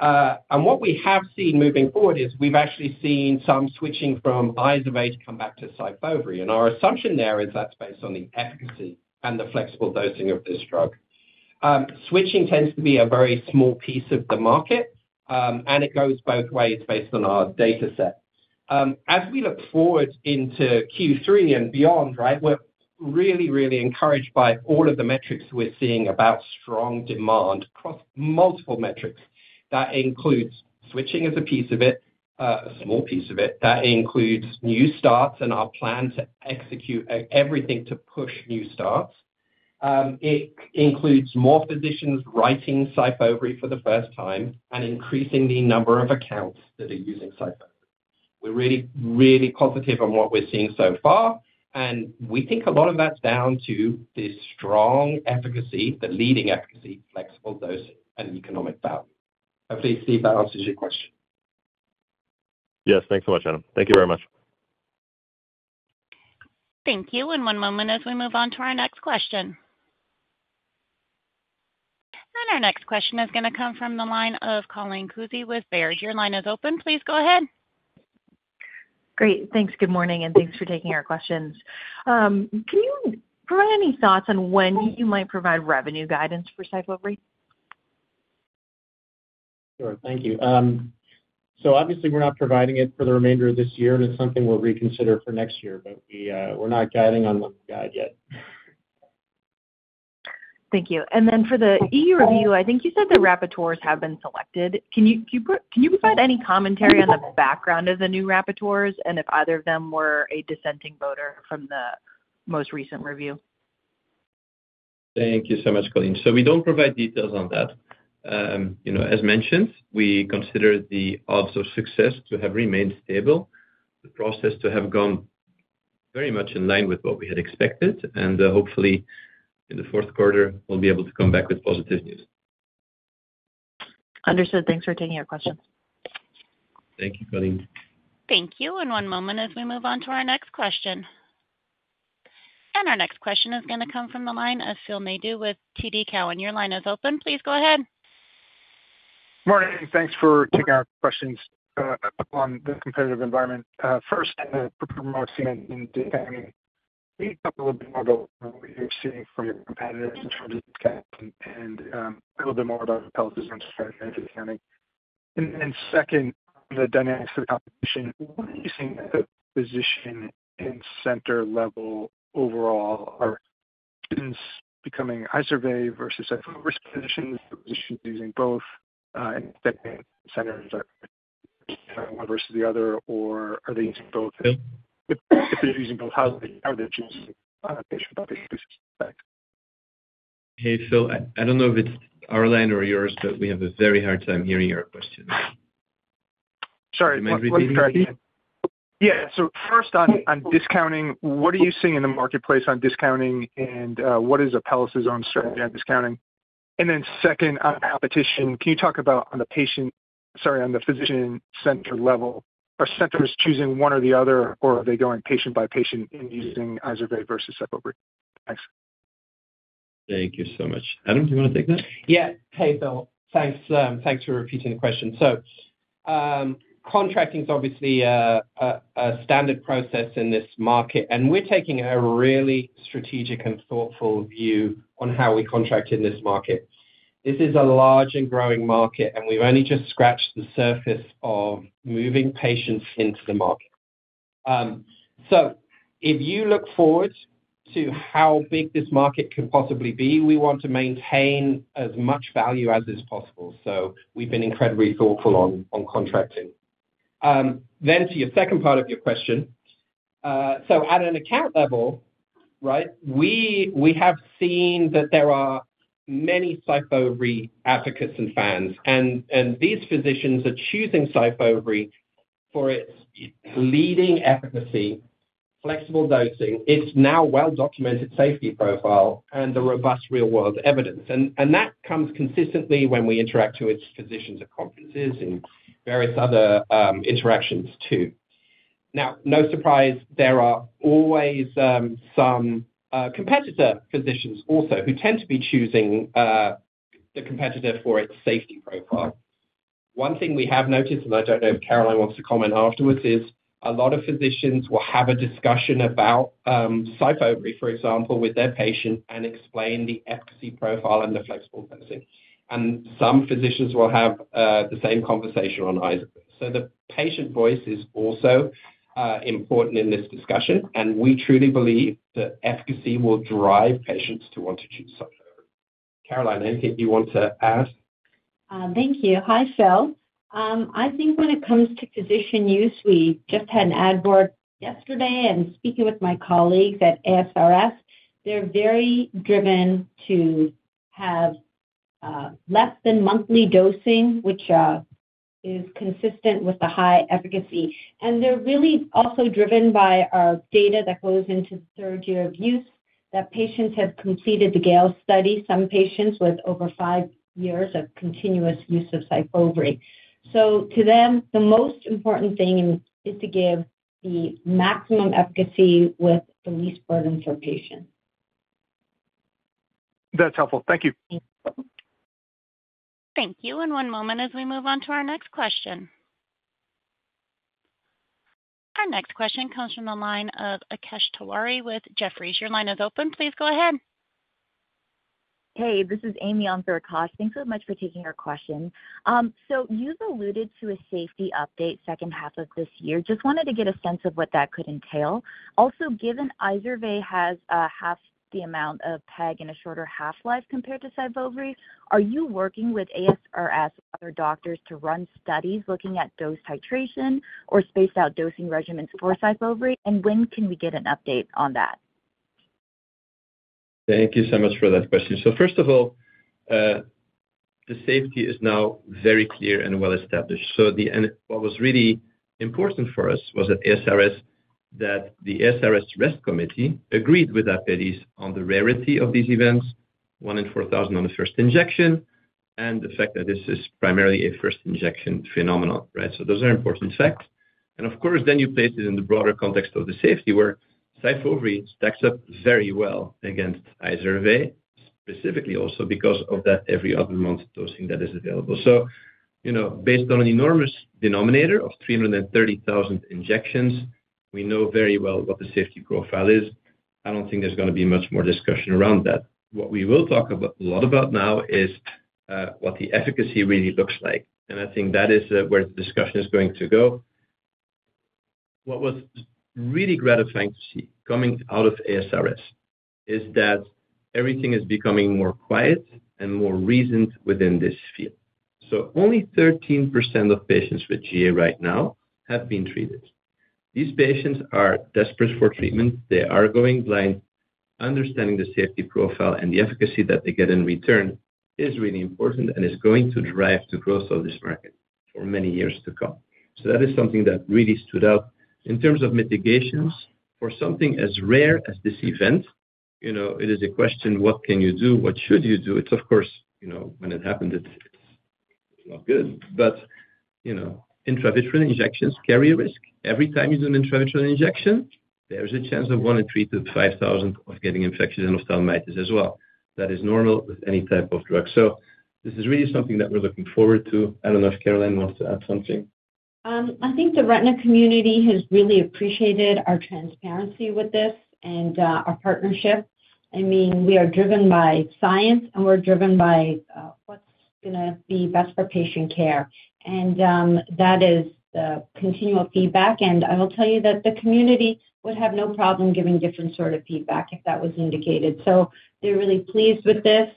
And what we have seen moving forward is we've actually seen some switching from IZERVAY to come back to SYFOVRE. And our assumption there is that's based on the efficacy and the flexible dosing of this drug. Switching tends to be a very small piece of the market, and it goes both ways based on our dataset. As we look forward into Q3 and beyond, right, we're really, really encouraged by all of the metrics we're seeing about strong demand across multiple metrics. That includes switching as a piece of it, a small piece of it. That includes new starts and our plan to execute everything to push new starts. It includes more physicians writing SYFOVRE for the first time and increasing the number of accounts that are using SYFOVRE. We're really, really positive on what we're seeing so far, and we think a lot of that's down to this strong efficacy, the leading efficacy, flexible dosing, and economic value. Hopefully, Steve answers your question. Yes. Thanks so much, Adam. Thank you very much. Thank you. One moment as we move on to our next question. Our next question is going to come from the line of Colleen Kusy with Baird. Your line is open. Please go ahead. Great. Thanks. Good morning, and thanks for taking our questions. Can you provide any thoughts on when you might provide revenue guidance for SYFOVRE? Sure. Thank you. Obviously, we're not providing it for the remainder of this year, and it's something we'll reconsider for next year, but we're not guiding on the guide yet. Thank you. For the EU review, I think you said the rapporteurs have been selected. Can you provide any commentary on the background of the new rapporteurs and if either of them were a dissenting voter from the most recent review? Thank you so much, Colleen. So we don't provide details on that. As mentioned, we consider the odds of success to have remained stable, the process to have gone very much in line with what we had expected, and hopefully, in the fourth quarter, we'll be able to come back with positive news. Understood. Thanks for taking our questions. Thank you, Colleen. Thank you. One moment as we move on to our next question. Our next question is going to come from the line of Phil Nadeau with TD Cowen. Your line is open. Please go ahead. Good morning. Thanks for taking our questions on the competitive environment. First, in the PNH, Cedric and David, I mean, can you talk a little bit more about what you're seeing from your competitors in terms of these accounts and a little bit more about the launch disruption in IZERVAY? Then second, the dynamics of the competition. What are you seeing at the physician and center level overall? Are specialists becoming IZERVAY versus SYFOVRE physicians, physicians using both, and second, centers are using one versus the other, or are they using both? If they're using both, how are they choosing on a patient-by-patient basis? Hey, Phil, I don't know if it's our line or yours, but we have a very hard time hearing your question. Sorry. Can you repeat that? Yeah. So first, on discounting, what are you seeing in the marketplace on discounting, and what is Apellis' own strategy on discounting? And then second, on competition, can you talk about on the patient, sorry, on the physician center level, are centers choosing one or the other, or are they going patient-by-patient and using IZERVAY versus SYFOVRE? Thanks. Thank you so much. Adam, do you want to take that? Yeah. Hey, Phil. Thanks for repeating the question. So contracting is obviously a standard process in this market, and we're taking a really strategic and thoughtful view on how we contract in this market. This is a large and growing market, and we've only just scratched the surface of moving patients into the market. So if you look forward to how big this market could possibly be, we want to maintain as much value as is possible. So we've been incredibly thoughtful on contracting. Then to your second part of your question, so at an account level, right, we have seen that there are many SYFOVRE advocates and fans, and these physicians are choosing SYFOVRE for its leading efficacy, flexible dosing, its now well-documented safety profile, and the robust real-world evidence. And that comes consistently when we interact with physicians at conferences and various other interactions too. Now, no surprise, there are always some competitor physicians also who tend to be choosing the competitor for its safety profile. One thing we have noticed, and I don't know if Caroline wants to comment afterwards, is a lot of physicians will have a discussion about SYFOVRE, for example, with their patient and explain the efficacy profile and the flexible dosing. And some physicians will have the same conversation on IZERVAY. So the patient voice is also important in this discussion, and we truly believe that efficacy will drive patients to want to choose SYFOVRE. Caroline, anything you want to add? Thank you. Hi, Phil. I think when it comes to physician use, we just had an ad board yesterday, and speaking with my colleagues at ASRS, they're very driven to have less than monthly dosing, which is consistent with the high efficacy. And they're really also driven by our data that goes into the third year of use, that patients have completed the GALE study, some patients with over five years of continuous use of SYFOVRE. So to them, the most important thing is to give the maximum efficacy with the least burden for patients. That's helpful. Thank you. Thank you. And one moment as we move on to our next question. Our next question comes from the line of Akash Tewari with Jefferies. Your line is open. Please go ahead. Hey, this is Amy on for Akash. Thanks so much for taking our question. So you've alluded to a safety update second half of this year. Just wanted to get a sense of what that could entail. Also, given IZERVAY has half the amount of PEG and a shorter half-life compared to SYFOVRE, are you working with ASRS or other doctors to run studies looking at dose titration or spaced-out dosing regimens for SYFOVRE, and when can we get an update on that? Thank you so much for that question. So first of all, the safety is now very clear and well-established. So what was really important for us was at ASRS that the ASRS Risk Committee agreed with Apellis on the rarity of these events, 1 in 4,000 on the first injection, and the fact that this is primarily a first-injection phenomenon, right? So those are important facts. And of course, then you place it in the broader context of the safety where SYFOVRE stacks up very well against IZERVAY, specifically also because of that every-other-month dosing that is available. So based on an enormous denominator of 330,000 injections, we know very well what the safety profile is. I don't think there's going to be much more discussion around that. What we will talk a lot about now is what the efficacy really looks like, and I think that is where the discussion is going to go. What was really gratifying to see coming out of ASRS is that everything is becoming more quiet and more reasoned within this field. So only 13% of patients with GA right now have been treated. These patients are desperate for treatment. They are going blind. Understanding the safety profile and the efficacy that they get in return is really important and is going to drive the growth of this market for many years to come. So that is something that really stood out. In terms of mitigations for something as rare as this event, it is a question, what can you do? What should you do? It's, of course, when it happens, it's not good, but intravitreal injections carry a risk. Every time you do an intravitreal injection, there's a chance of 1 in 3,000-5,000 of getting infectious endophthalmitis as well. That is normal with any type of drug. So this is really something that we're looking forward to. I don't know if Caroline wants to add something. I think the retina community has really appreciated our transparency with this and our partnership. I mean, we are driven by science, and we're driven by what's going to be best for patient care. That is the continual feedback. I will tell you that the community would have no problem giving different sort of feedback if that was indicated. They're really pleased with this,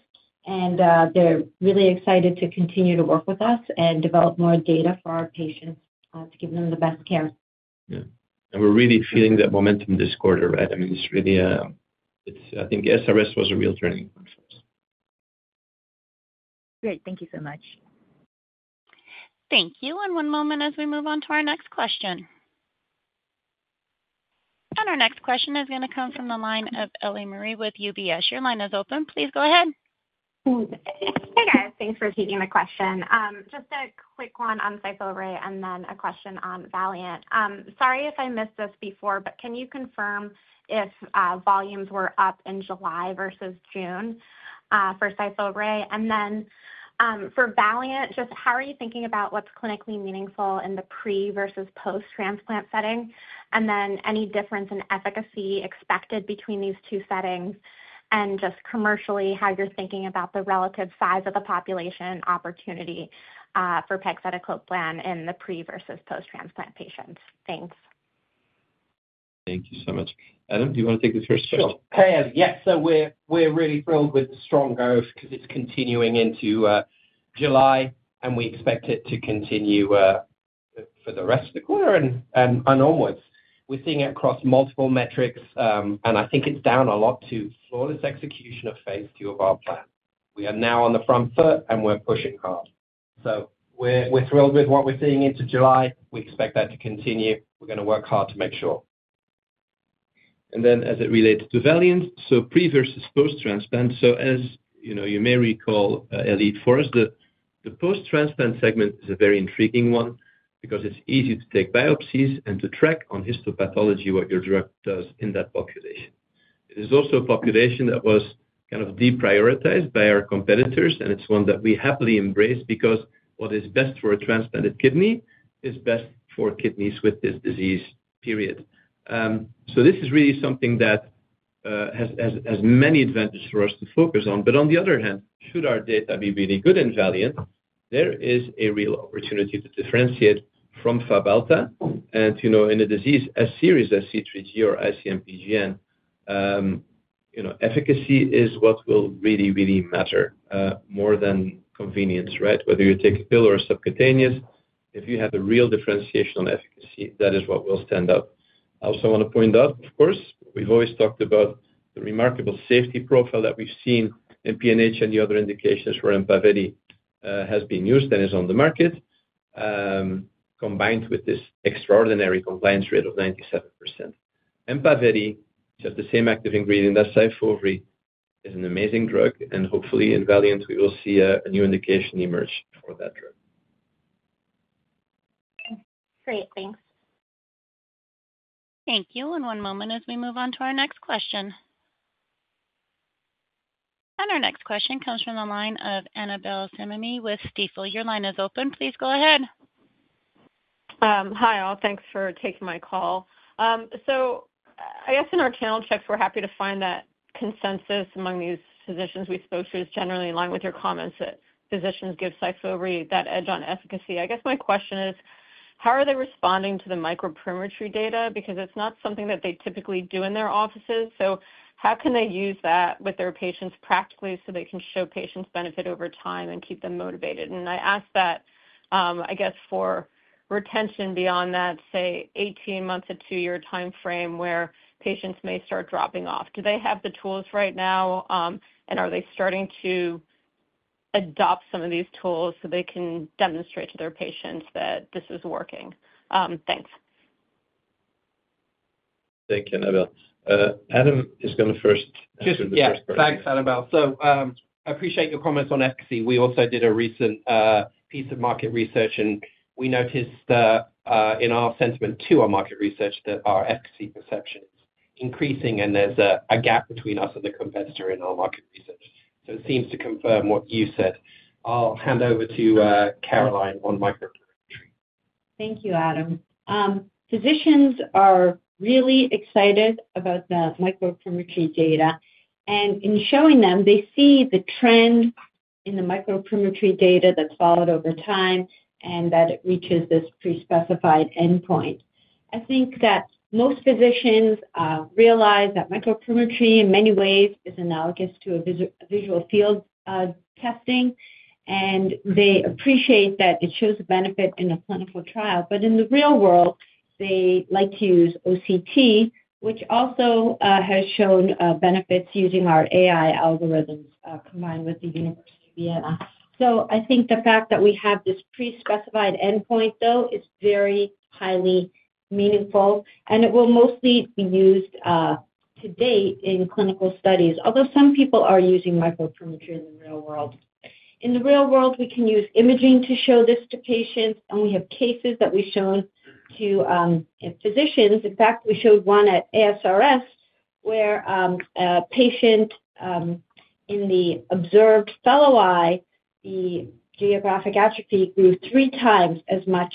and they're really excited to continue to work with us and develop more data for our patients to give them the best care. Yeah. And we're really feeling that momentum this quarter, right? I mean, it's really, I think ASRS was a real turning point for us. Great. Thank you so much. Thank you. One moment as we move on to our next question. Our next question is going to come from the line of Ellie Merle with UBS. Your line is open. Please go ahead. Hey, guys. Thanks for taking the question. Just a quick one on SYFOVRE and then a question on VALIANT. Sorry if I missed this before, but can you confirm if volumes were up in July versus June for SYFOVRE? And then for VALIANT, just how are you thinking about what's clinically meaningful in the pre-versus-post-transplant setting? And then any difference in efficacy expected between these two settings? And just commercially, how you're thinking about the relative size of the population opportunity for pegcetacoplan in the pre-versus-post-transplant patients? Thanks. Thank you so much. Adam, do you want to take the first question? Sure. Hey, Ellie. Yes. So we're really thrilled with strong growth because it's continuing into July, and we expect it to continue for the rest of the quarter and onwards. We're seeing it across multiple metrics, and I think it's due a lot to flawless execution of phase two of our plan. We are now on the front foot, and we're pushing hard. So we're thrilled with what we're seeing into July. We expect that to continue. We're going to work hard to make sure. And then as it relates to VALIANT, so pre- versus post-transplant. So as you may recall, Ellie, for us, the post-transplant segment is a very intriguing one because it's easy to take biopsies and to track on histopathology what your drug does in that population. It is also a population that was kind of deprioritized by our competitors, and it's one that we happily embrace because what is best for a transplanted kidney is best for kidneys with this disease, period. So this is really something that has many advantages for us to focus on. But on the other hand, should our data be really good in VALIANT, there is a real opportunity to differentiate from FABHALTA. And in a disease as serious as C3G or IC-MPGN, efficacy is what will really, really matter more than convenience, right? Whether you take a pill or a subcutaneous, if you have a real differentiation on efficacy, that is what will stand out. I also want to point out, of course, we've always talked about the remarkable safety profile that we've seen in PNH and the other indications where EMPAVELI has been used and is on the market, combined with this extraordinary compliance rate of 97%. EMPAVELI, which has the same active ingredient as SYFOVRE, is an amazing drug. And hopefully, in VALIANT, we will see a new indication emerge for that drug. Great. Thanks. Thank you. One moment as we move on to our next question. Our next question comes from the line of Annabel Samimy with Stifel. Your line is open. Please go ahead. Hi, all. Thanks for taking my call. So I guess in our channel checks, we're happy to find that consensus among these physicians we spoke to is generally in line with your comments that physicians give SYFOVRE that edge on efficacy. I guess my question is, how are they responding to the microperimetry data? Because it's not something that they typically do in their offices. So how can they use that with their patients practically so they can show patients benefit over time and keep them motivated? And I ask that, I guess, for retention beyond that, say, 18-month to 2-year timeframe where patients may start dropping off. Do they have the tools right now, and are they starting to adopt some of these tools so they can demonstrate to their patients that this is working? Thanks. Thank you, Annabel. Adam is going to first answer the first question. Yes. Thanks, Annabel. I appreciate your comments on efficacy. We also did a recent piece of market research, and we noticed in our sentiment to our market research that our efficacy perception is increasing, and there's a gap between us and the competitor in our market research. It seems to confirm what you said. I'll hand over to Caroline on microperimetry. Thank you, Adam. Physicians are really excited about the microperimetry data. In showing them, they see the trend in the microperimetry data that's followed over time and that it reaches this pre-specified endpoint. I think that most physicians realize that microperimetry in many ways is analogous to visual field testing, and they appreciate that it shows a benefit in a clinical trial. In the real world, they like to use OCT, which also has shown benefits using our AI algorithms combined with the University of Vienna. I think the fact that we have this pre-specified endpoint, though, is very highly meaningful, and it will mostly be used today in clinical studies, although some people are using microperimetry in the real world. In the real world, we can use imaging to show this to patients, and we have cases that we've shown to physicians. In fact, we showed one at ASRS where a patient in the observed fellow eye, the geographic atrophy grew 3x as much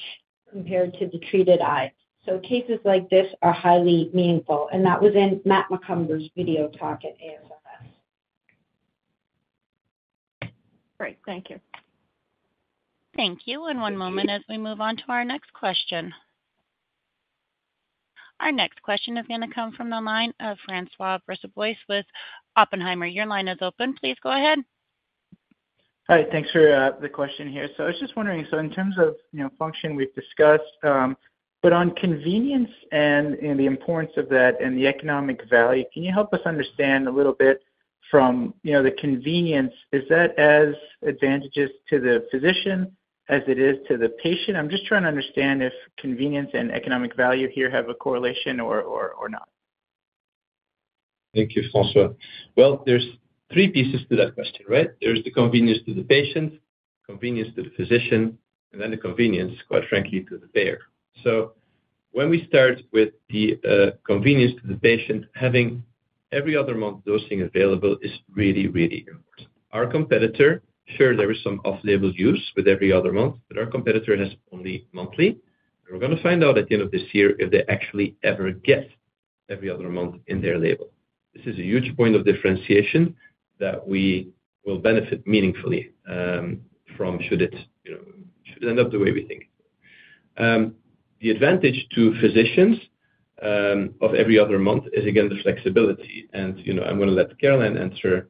compared to the treated eye. So cases like this are highly meaningful. And that was in Matt MacCumber's video talk at ASRS. Great. Thank you. Thank you. One moment as we move on to our next question. Our next question is going to come from the line of François Brisebois with Oppenheimer. Your line is open. Please go ahead. Hi. Thanks for the question here. So I was just wondering, so in terms of function, we've discussed, but on convenience and the importance of that and the economic value, can you help us understand a little bit from the convenience? Is that as advantageous to the physician as it is to the patient? I'm just trying to understand if convenience and economic value here have a correlation or not. Thank you, François. Well, there's three pieces to that question, right? There's the convenience to the patient, convenience to the physician, and then the convenience, quite frankly, to the payer. So when we start with the convenience to the patient, having every-other-month dosing available is really, really important. Our competitor, sure, there is some off-label use with every-other-month, but our competitor has only monthly. And we're going to find out at the end of this year if they actually ever get every-other-month in their label. This is a huge point of differentiation that we will benefit meaningfully from should it end up the way we think. The advantage to physicians of every-other-month is, again, the flexibility. And I'm going to let Caroline answer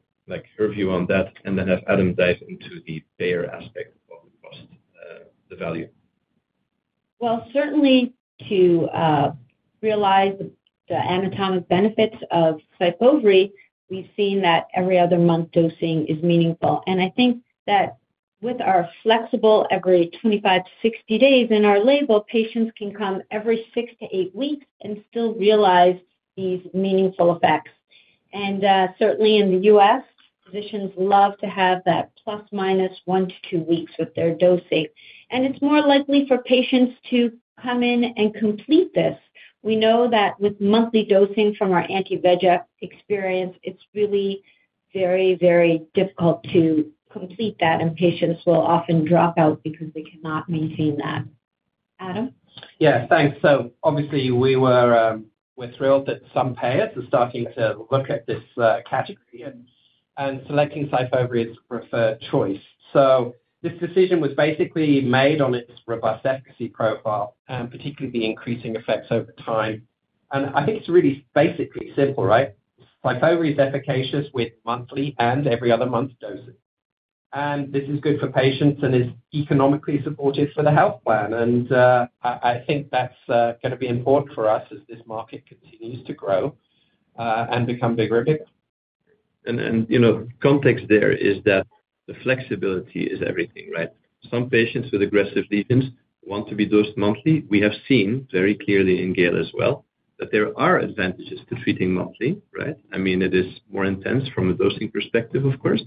her view on that and then have Adam dive into the payer aspect of the cost, the value. Well, certainly to realize the anatomic benefits of SYFOVRE, we've seen that every-other-month dosing is meaningful. And I think that with our flexible every 25-60 days in our label, patients can come every 6-8 weeks and still realize these meaningful effects. And certainly in the U.S., physicians love to have that ±1-2 weeks with their dosing. And it's more likely for patients to come in and complete this. We know that with monthly dosing from our anti-VEGF experience, it's really very, very difficult to complete that, and patients will often drop out because they cannot maintain that. Adam? Yeah. Thanks. So obviously, we're thrilled that some payers are starting to look at this category and selecting SYFOVRE as a preferred choice. So this decision was basically made on its robust efficacy profile and particularly the increasing effects over time. And I think it's really basically simple, right? SYFOVRE is efficacious with monthly and every-other-month dosing. And this is good for patients and is economically supportive for the health plan. And I think that's going to be important for us as this market continues to grow and become bigger and bigger. Context there is that the flexibility is everything, right? Some patients with aggressive lesions want to be dosed monthly. We have seen very clearly in GALE as well that there are advantages to treating monthly, right? I mean, it is more intense from a dosing perspective, of course,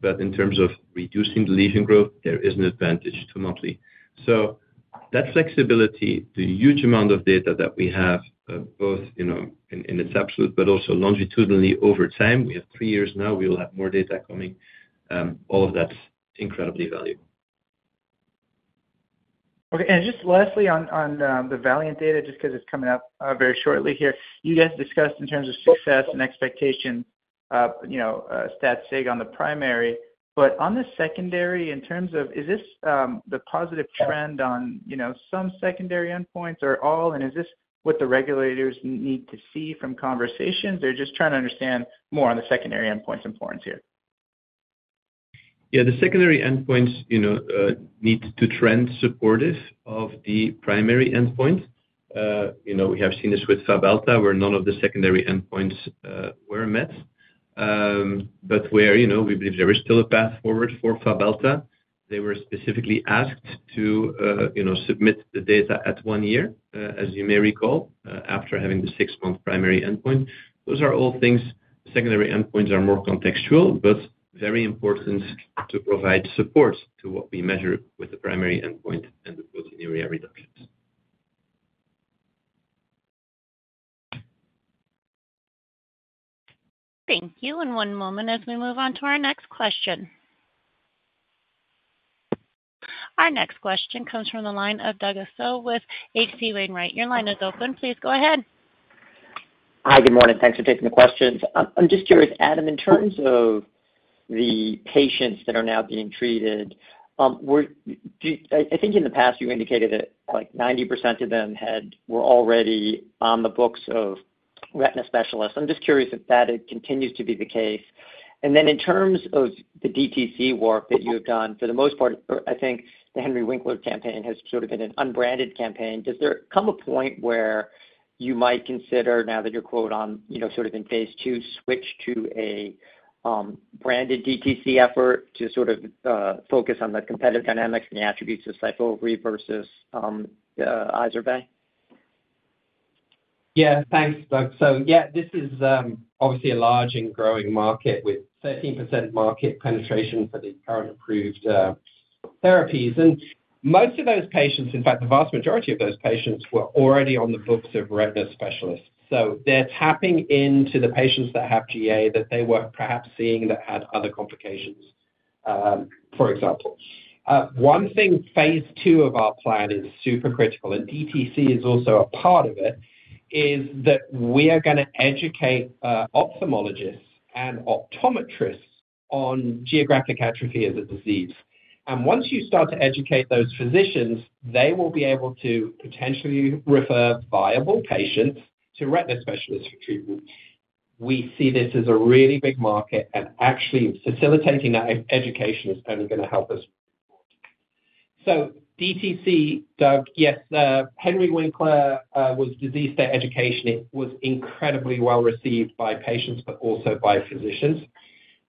but in terms of reducing the lesion growth, there is an advantage to monthly. So that flexibility, the huge amount of data that we have both in its absolute but also longitudinally over time, we have three years now. We will have more data coming. All of that's incredibly valuable. Okay. And just lastly on the VALIANT data, just because it's coming up very shortly here, you guys discussed in terms of success and expectation stat-sig on the primary. But on the secondary, in terms of is this the positive trend on some secondary endpoints or all? And is this what the regulators need to see from conversations? Or just trying to understand more on the secondary endpoints importance here? Yeah. The secondary endpoints need to trend supportive of the primary endpoint. We have seen this with FABHALTA where none of the secondary endpoints were met. But where we believe there is still a path forward for FABHALTA, they were specifically asked to submit the data at one year, as you may recall, after having the six-month primary endpoint. Those are all things secondary endpoints are more contextual, but very important to provide support to what we measure with the primary endpoint and the proteinuria reductions. Thank you. One moment as we move on to our next question. Our next question comes from the line of Douglas Tsao with H.C. Wainwright. Your line is open. Please go ahead. Hi. Good morning. Thanks for taking the questions. I'm just curious, Adam, in terms of the patients that are now being treated. I think in the past you indicated that 90% of them were already on the books of retina specialists. I'm just curious if that continues to be the case. And then in terms of the DTC work that you have done, for the most part, I think the Henry Winkler campaign has sort of been an unbranded campaign. Does there come a point where you might consider, now that you're sort of in phase two, switch to a branded DTC effort to sort of focus on the competitive dynamics and the attributes of SYFOVRE versus IZERVAY? Yeah. Thanks, Doug. So yeah, this is obviously a large and growing market with 13% market penetration for the current approved therapies. Most of those patients, in fact, the vast majority of those patients were already on the books of retina specialists. So they're tapping into the patients that have GA that they were perhaps seeing that had other complications, for example. One thing, phase two of our plan is super critical, and DTC is also a part of it, is that we are going to educate ophthalmologists and optometrists on geographic atrophy as a disease. Once you start to educate those physicians, they will be able to potentially refer viable patients to retina specialists for treatment. We see this as a really big market, and actually facilitating that education is only going to help us. So DTC, Doug, yes, Henry Winkler was disease state education. It was incredibly well received by patients but also by physicians.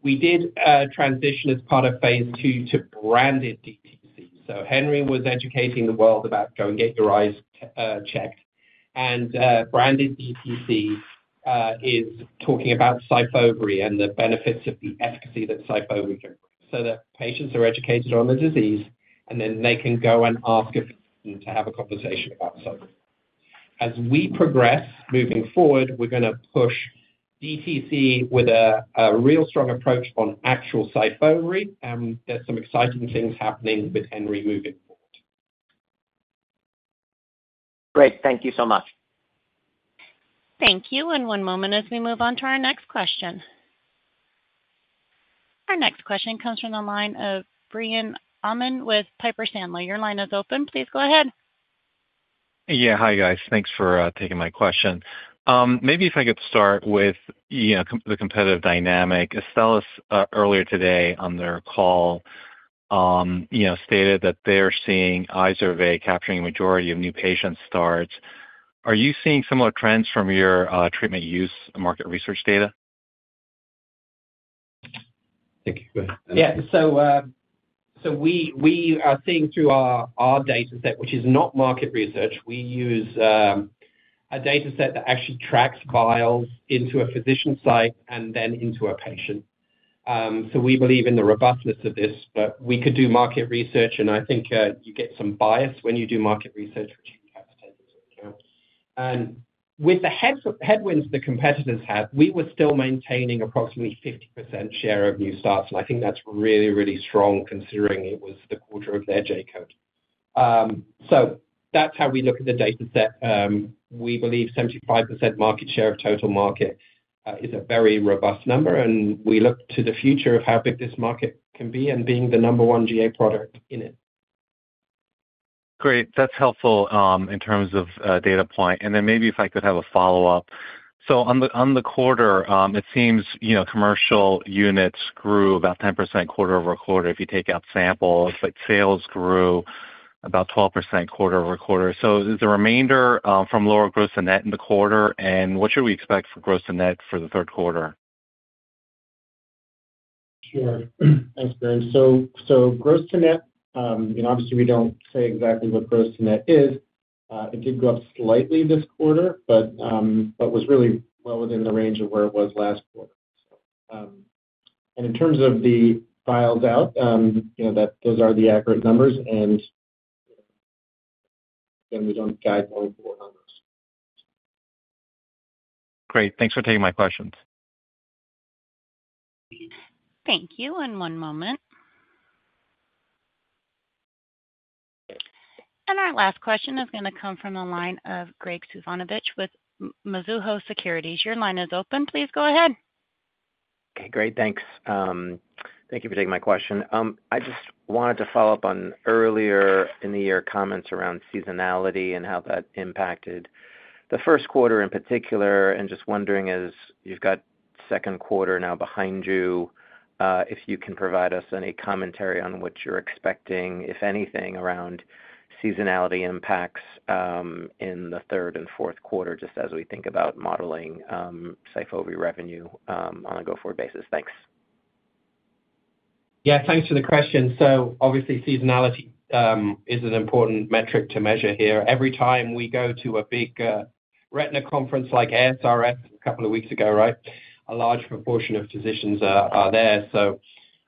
We did transition as part of phase two to branded DTC. Henry was educating the world about go and get your eyes checked. Branded DTC is talking about SYFOVRE and the benefits of the efficacy that SYFOVRE can bring. The patients are educated on the disease, and then they can go and ask a physician to have a conversation about SYFOVRE. As we progress moving forward, we're going to push DTC with a real strong approach on actual SYFOVRE. There's some exciting things happening with Henry moving forward. Great. Thank you so much. Thank you. One moment as we move on to our next question. Our next question comes from the line of Biren Amin with Piper Sandler. Your line is open. Please go ahead. Yeah. Hi, guys. Thanks for taking my question. Maybe if I could start with the competitive dynamic. Astellas, earlier today on their call, stated that they're seeing IZERVAY capturing a majority of new patient starts. Are you seeing similar trends from your treatment use market research data? Thank you. Go ahead. Yeah. So we are seeing through our data set, which is not market research. We use a data set that actually tracks vials into a physician site and then into a patient. So we believe in the robustness of this, but we could do market research, and I think you get some bias when you do market research, which you have to take into account. And with the headwinds the competitors have, we were still maintaining approximately 50% share of new starts. And I think that's really, really strong considering it was the quarter of their J-code. So that's how we look at the data set. We believe 75% market share of total market is a very robust number. And we look to the future of how big this market can be and being the number one GA product in it. Great. That's helpful in terms of data point. And then maybe if I could have a follow-up. So on the quarter, it seems commercial units grew about 10% quarter-over-quarter if you take out samples, but sales grew about 12% quarter-over-quarter. So is the remainder from lower gross to net in the quarter? And what should we expect for gross to net for the third quarter? Sure. Thanks, Biren. So gross to net, obviously, we don't say exactly what gross to net is. It did go up slightly this quarter, but was really well within the range of where it was last quarter. And in terms of the vials out, those are the accurate numbers. And again, we don't guide them for numbers. Great. Thanks for taking my questions. Thank you. One moment. Our last question is going to come from the line of Graig Suvannavejh with Mizuho Securities. Your line is open. Please go ahead. Okay. Great. Thanks. Thank you for taking my question. I just wanted to follow up on earlier in the year comments around seasonality and how that impacted the first quarter in particular. Just wondering, as you've got second quarter now behind you, if you can provide us any commentary on what you're expecting, if anything, around seasonality impacts in the third and fourth quarter just as we think about modeling SYFOVRE revenue on a go-forward basis. Thanks. Yeah. Thanks for the question. So obviously, seasonality is an important metric to measure here. Every time we go to a big retina conference like ASRS a couple of weeks ago, right, a large proportion of physicians are there. So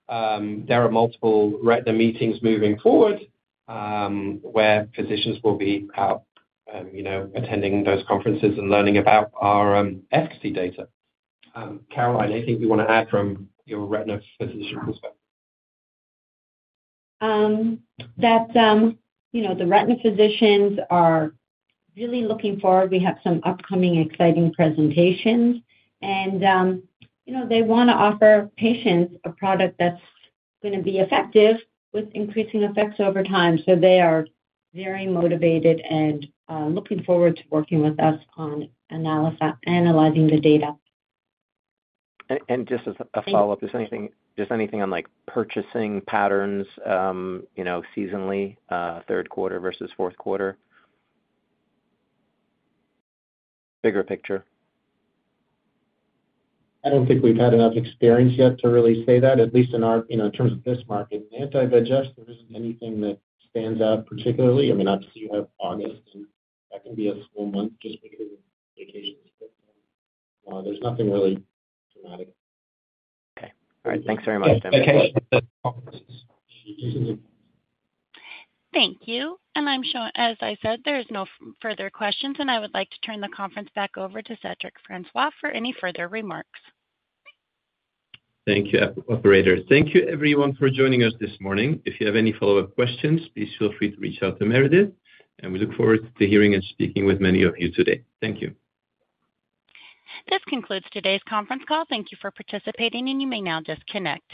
there are multiple retina meetings moving forward where physicians will be out attending those conferences and learning about our efficacy data. Caroline, anything you want to add from your retina physician perspective? That the retina physicians are really looking forward. We have some upcoming exciting presentations. They want to offer patients a product that's going to be effective with increasing effects over time. They are very motivated and looking forward to working with us on analyzing the data. Just as a follow-up, just anything on purchasing patterns seasonally, third quarter versus fourth quarter, bigger picture? I don't think we've had enough experience yet to really say that, at least in our terms of this market. If I digest, there isn't anything that stands out particularly. I mean, obviously, you have August, and that can be a slow month just because of vacations. There's nothing really dramatic. Okay. All right. Thanks very much, Adam. Thank you. As I said, there are no further questions. I would like to turn the conference back over to Cedric Francois for any further remarks. Thank you, operators. Thank you, everyone, for joining us this morning. If you have any follow-up questions, please feel free to reach out to Meredith. We look forward to hearing and speaking with many of you today. Thank you. This concludes today's conference call. Thank you for participating, and you may now disconnect.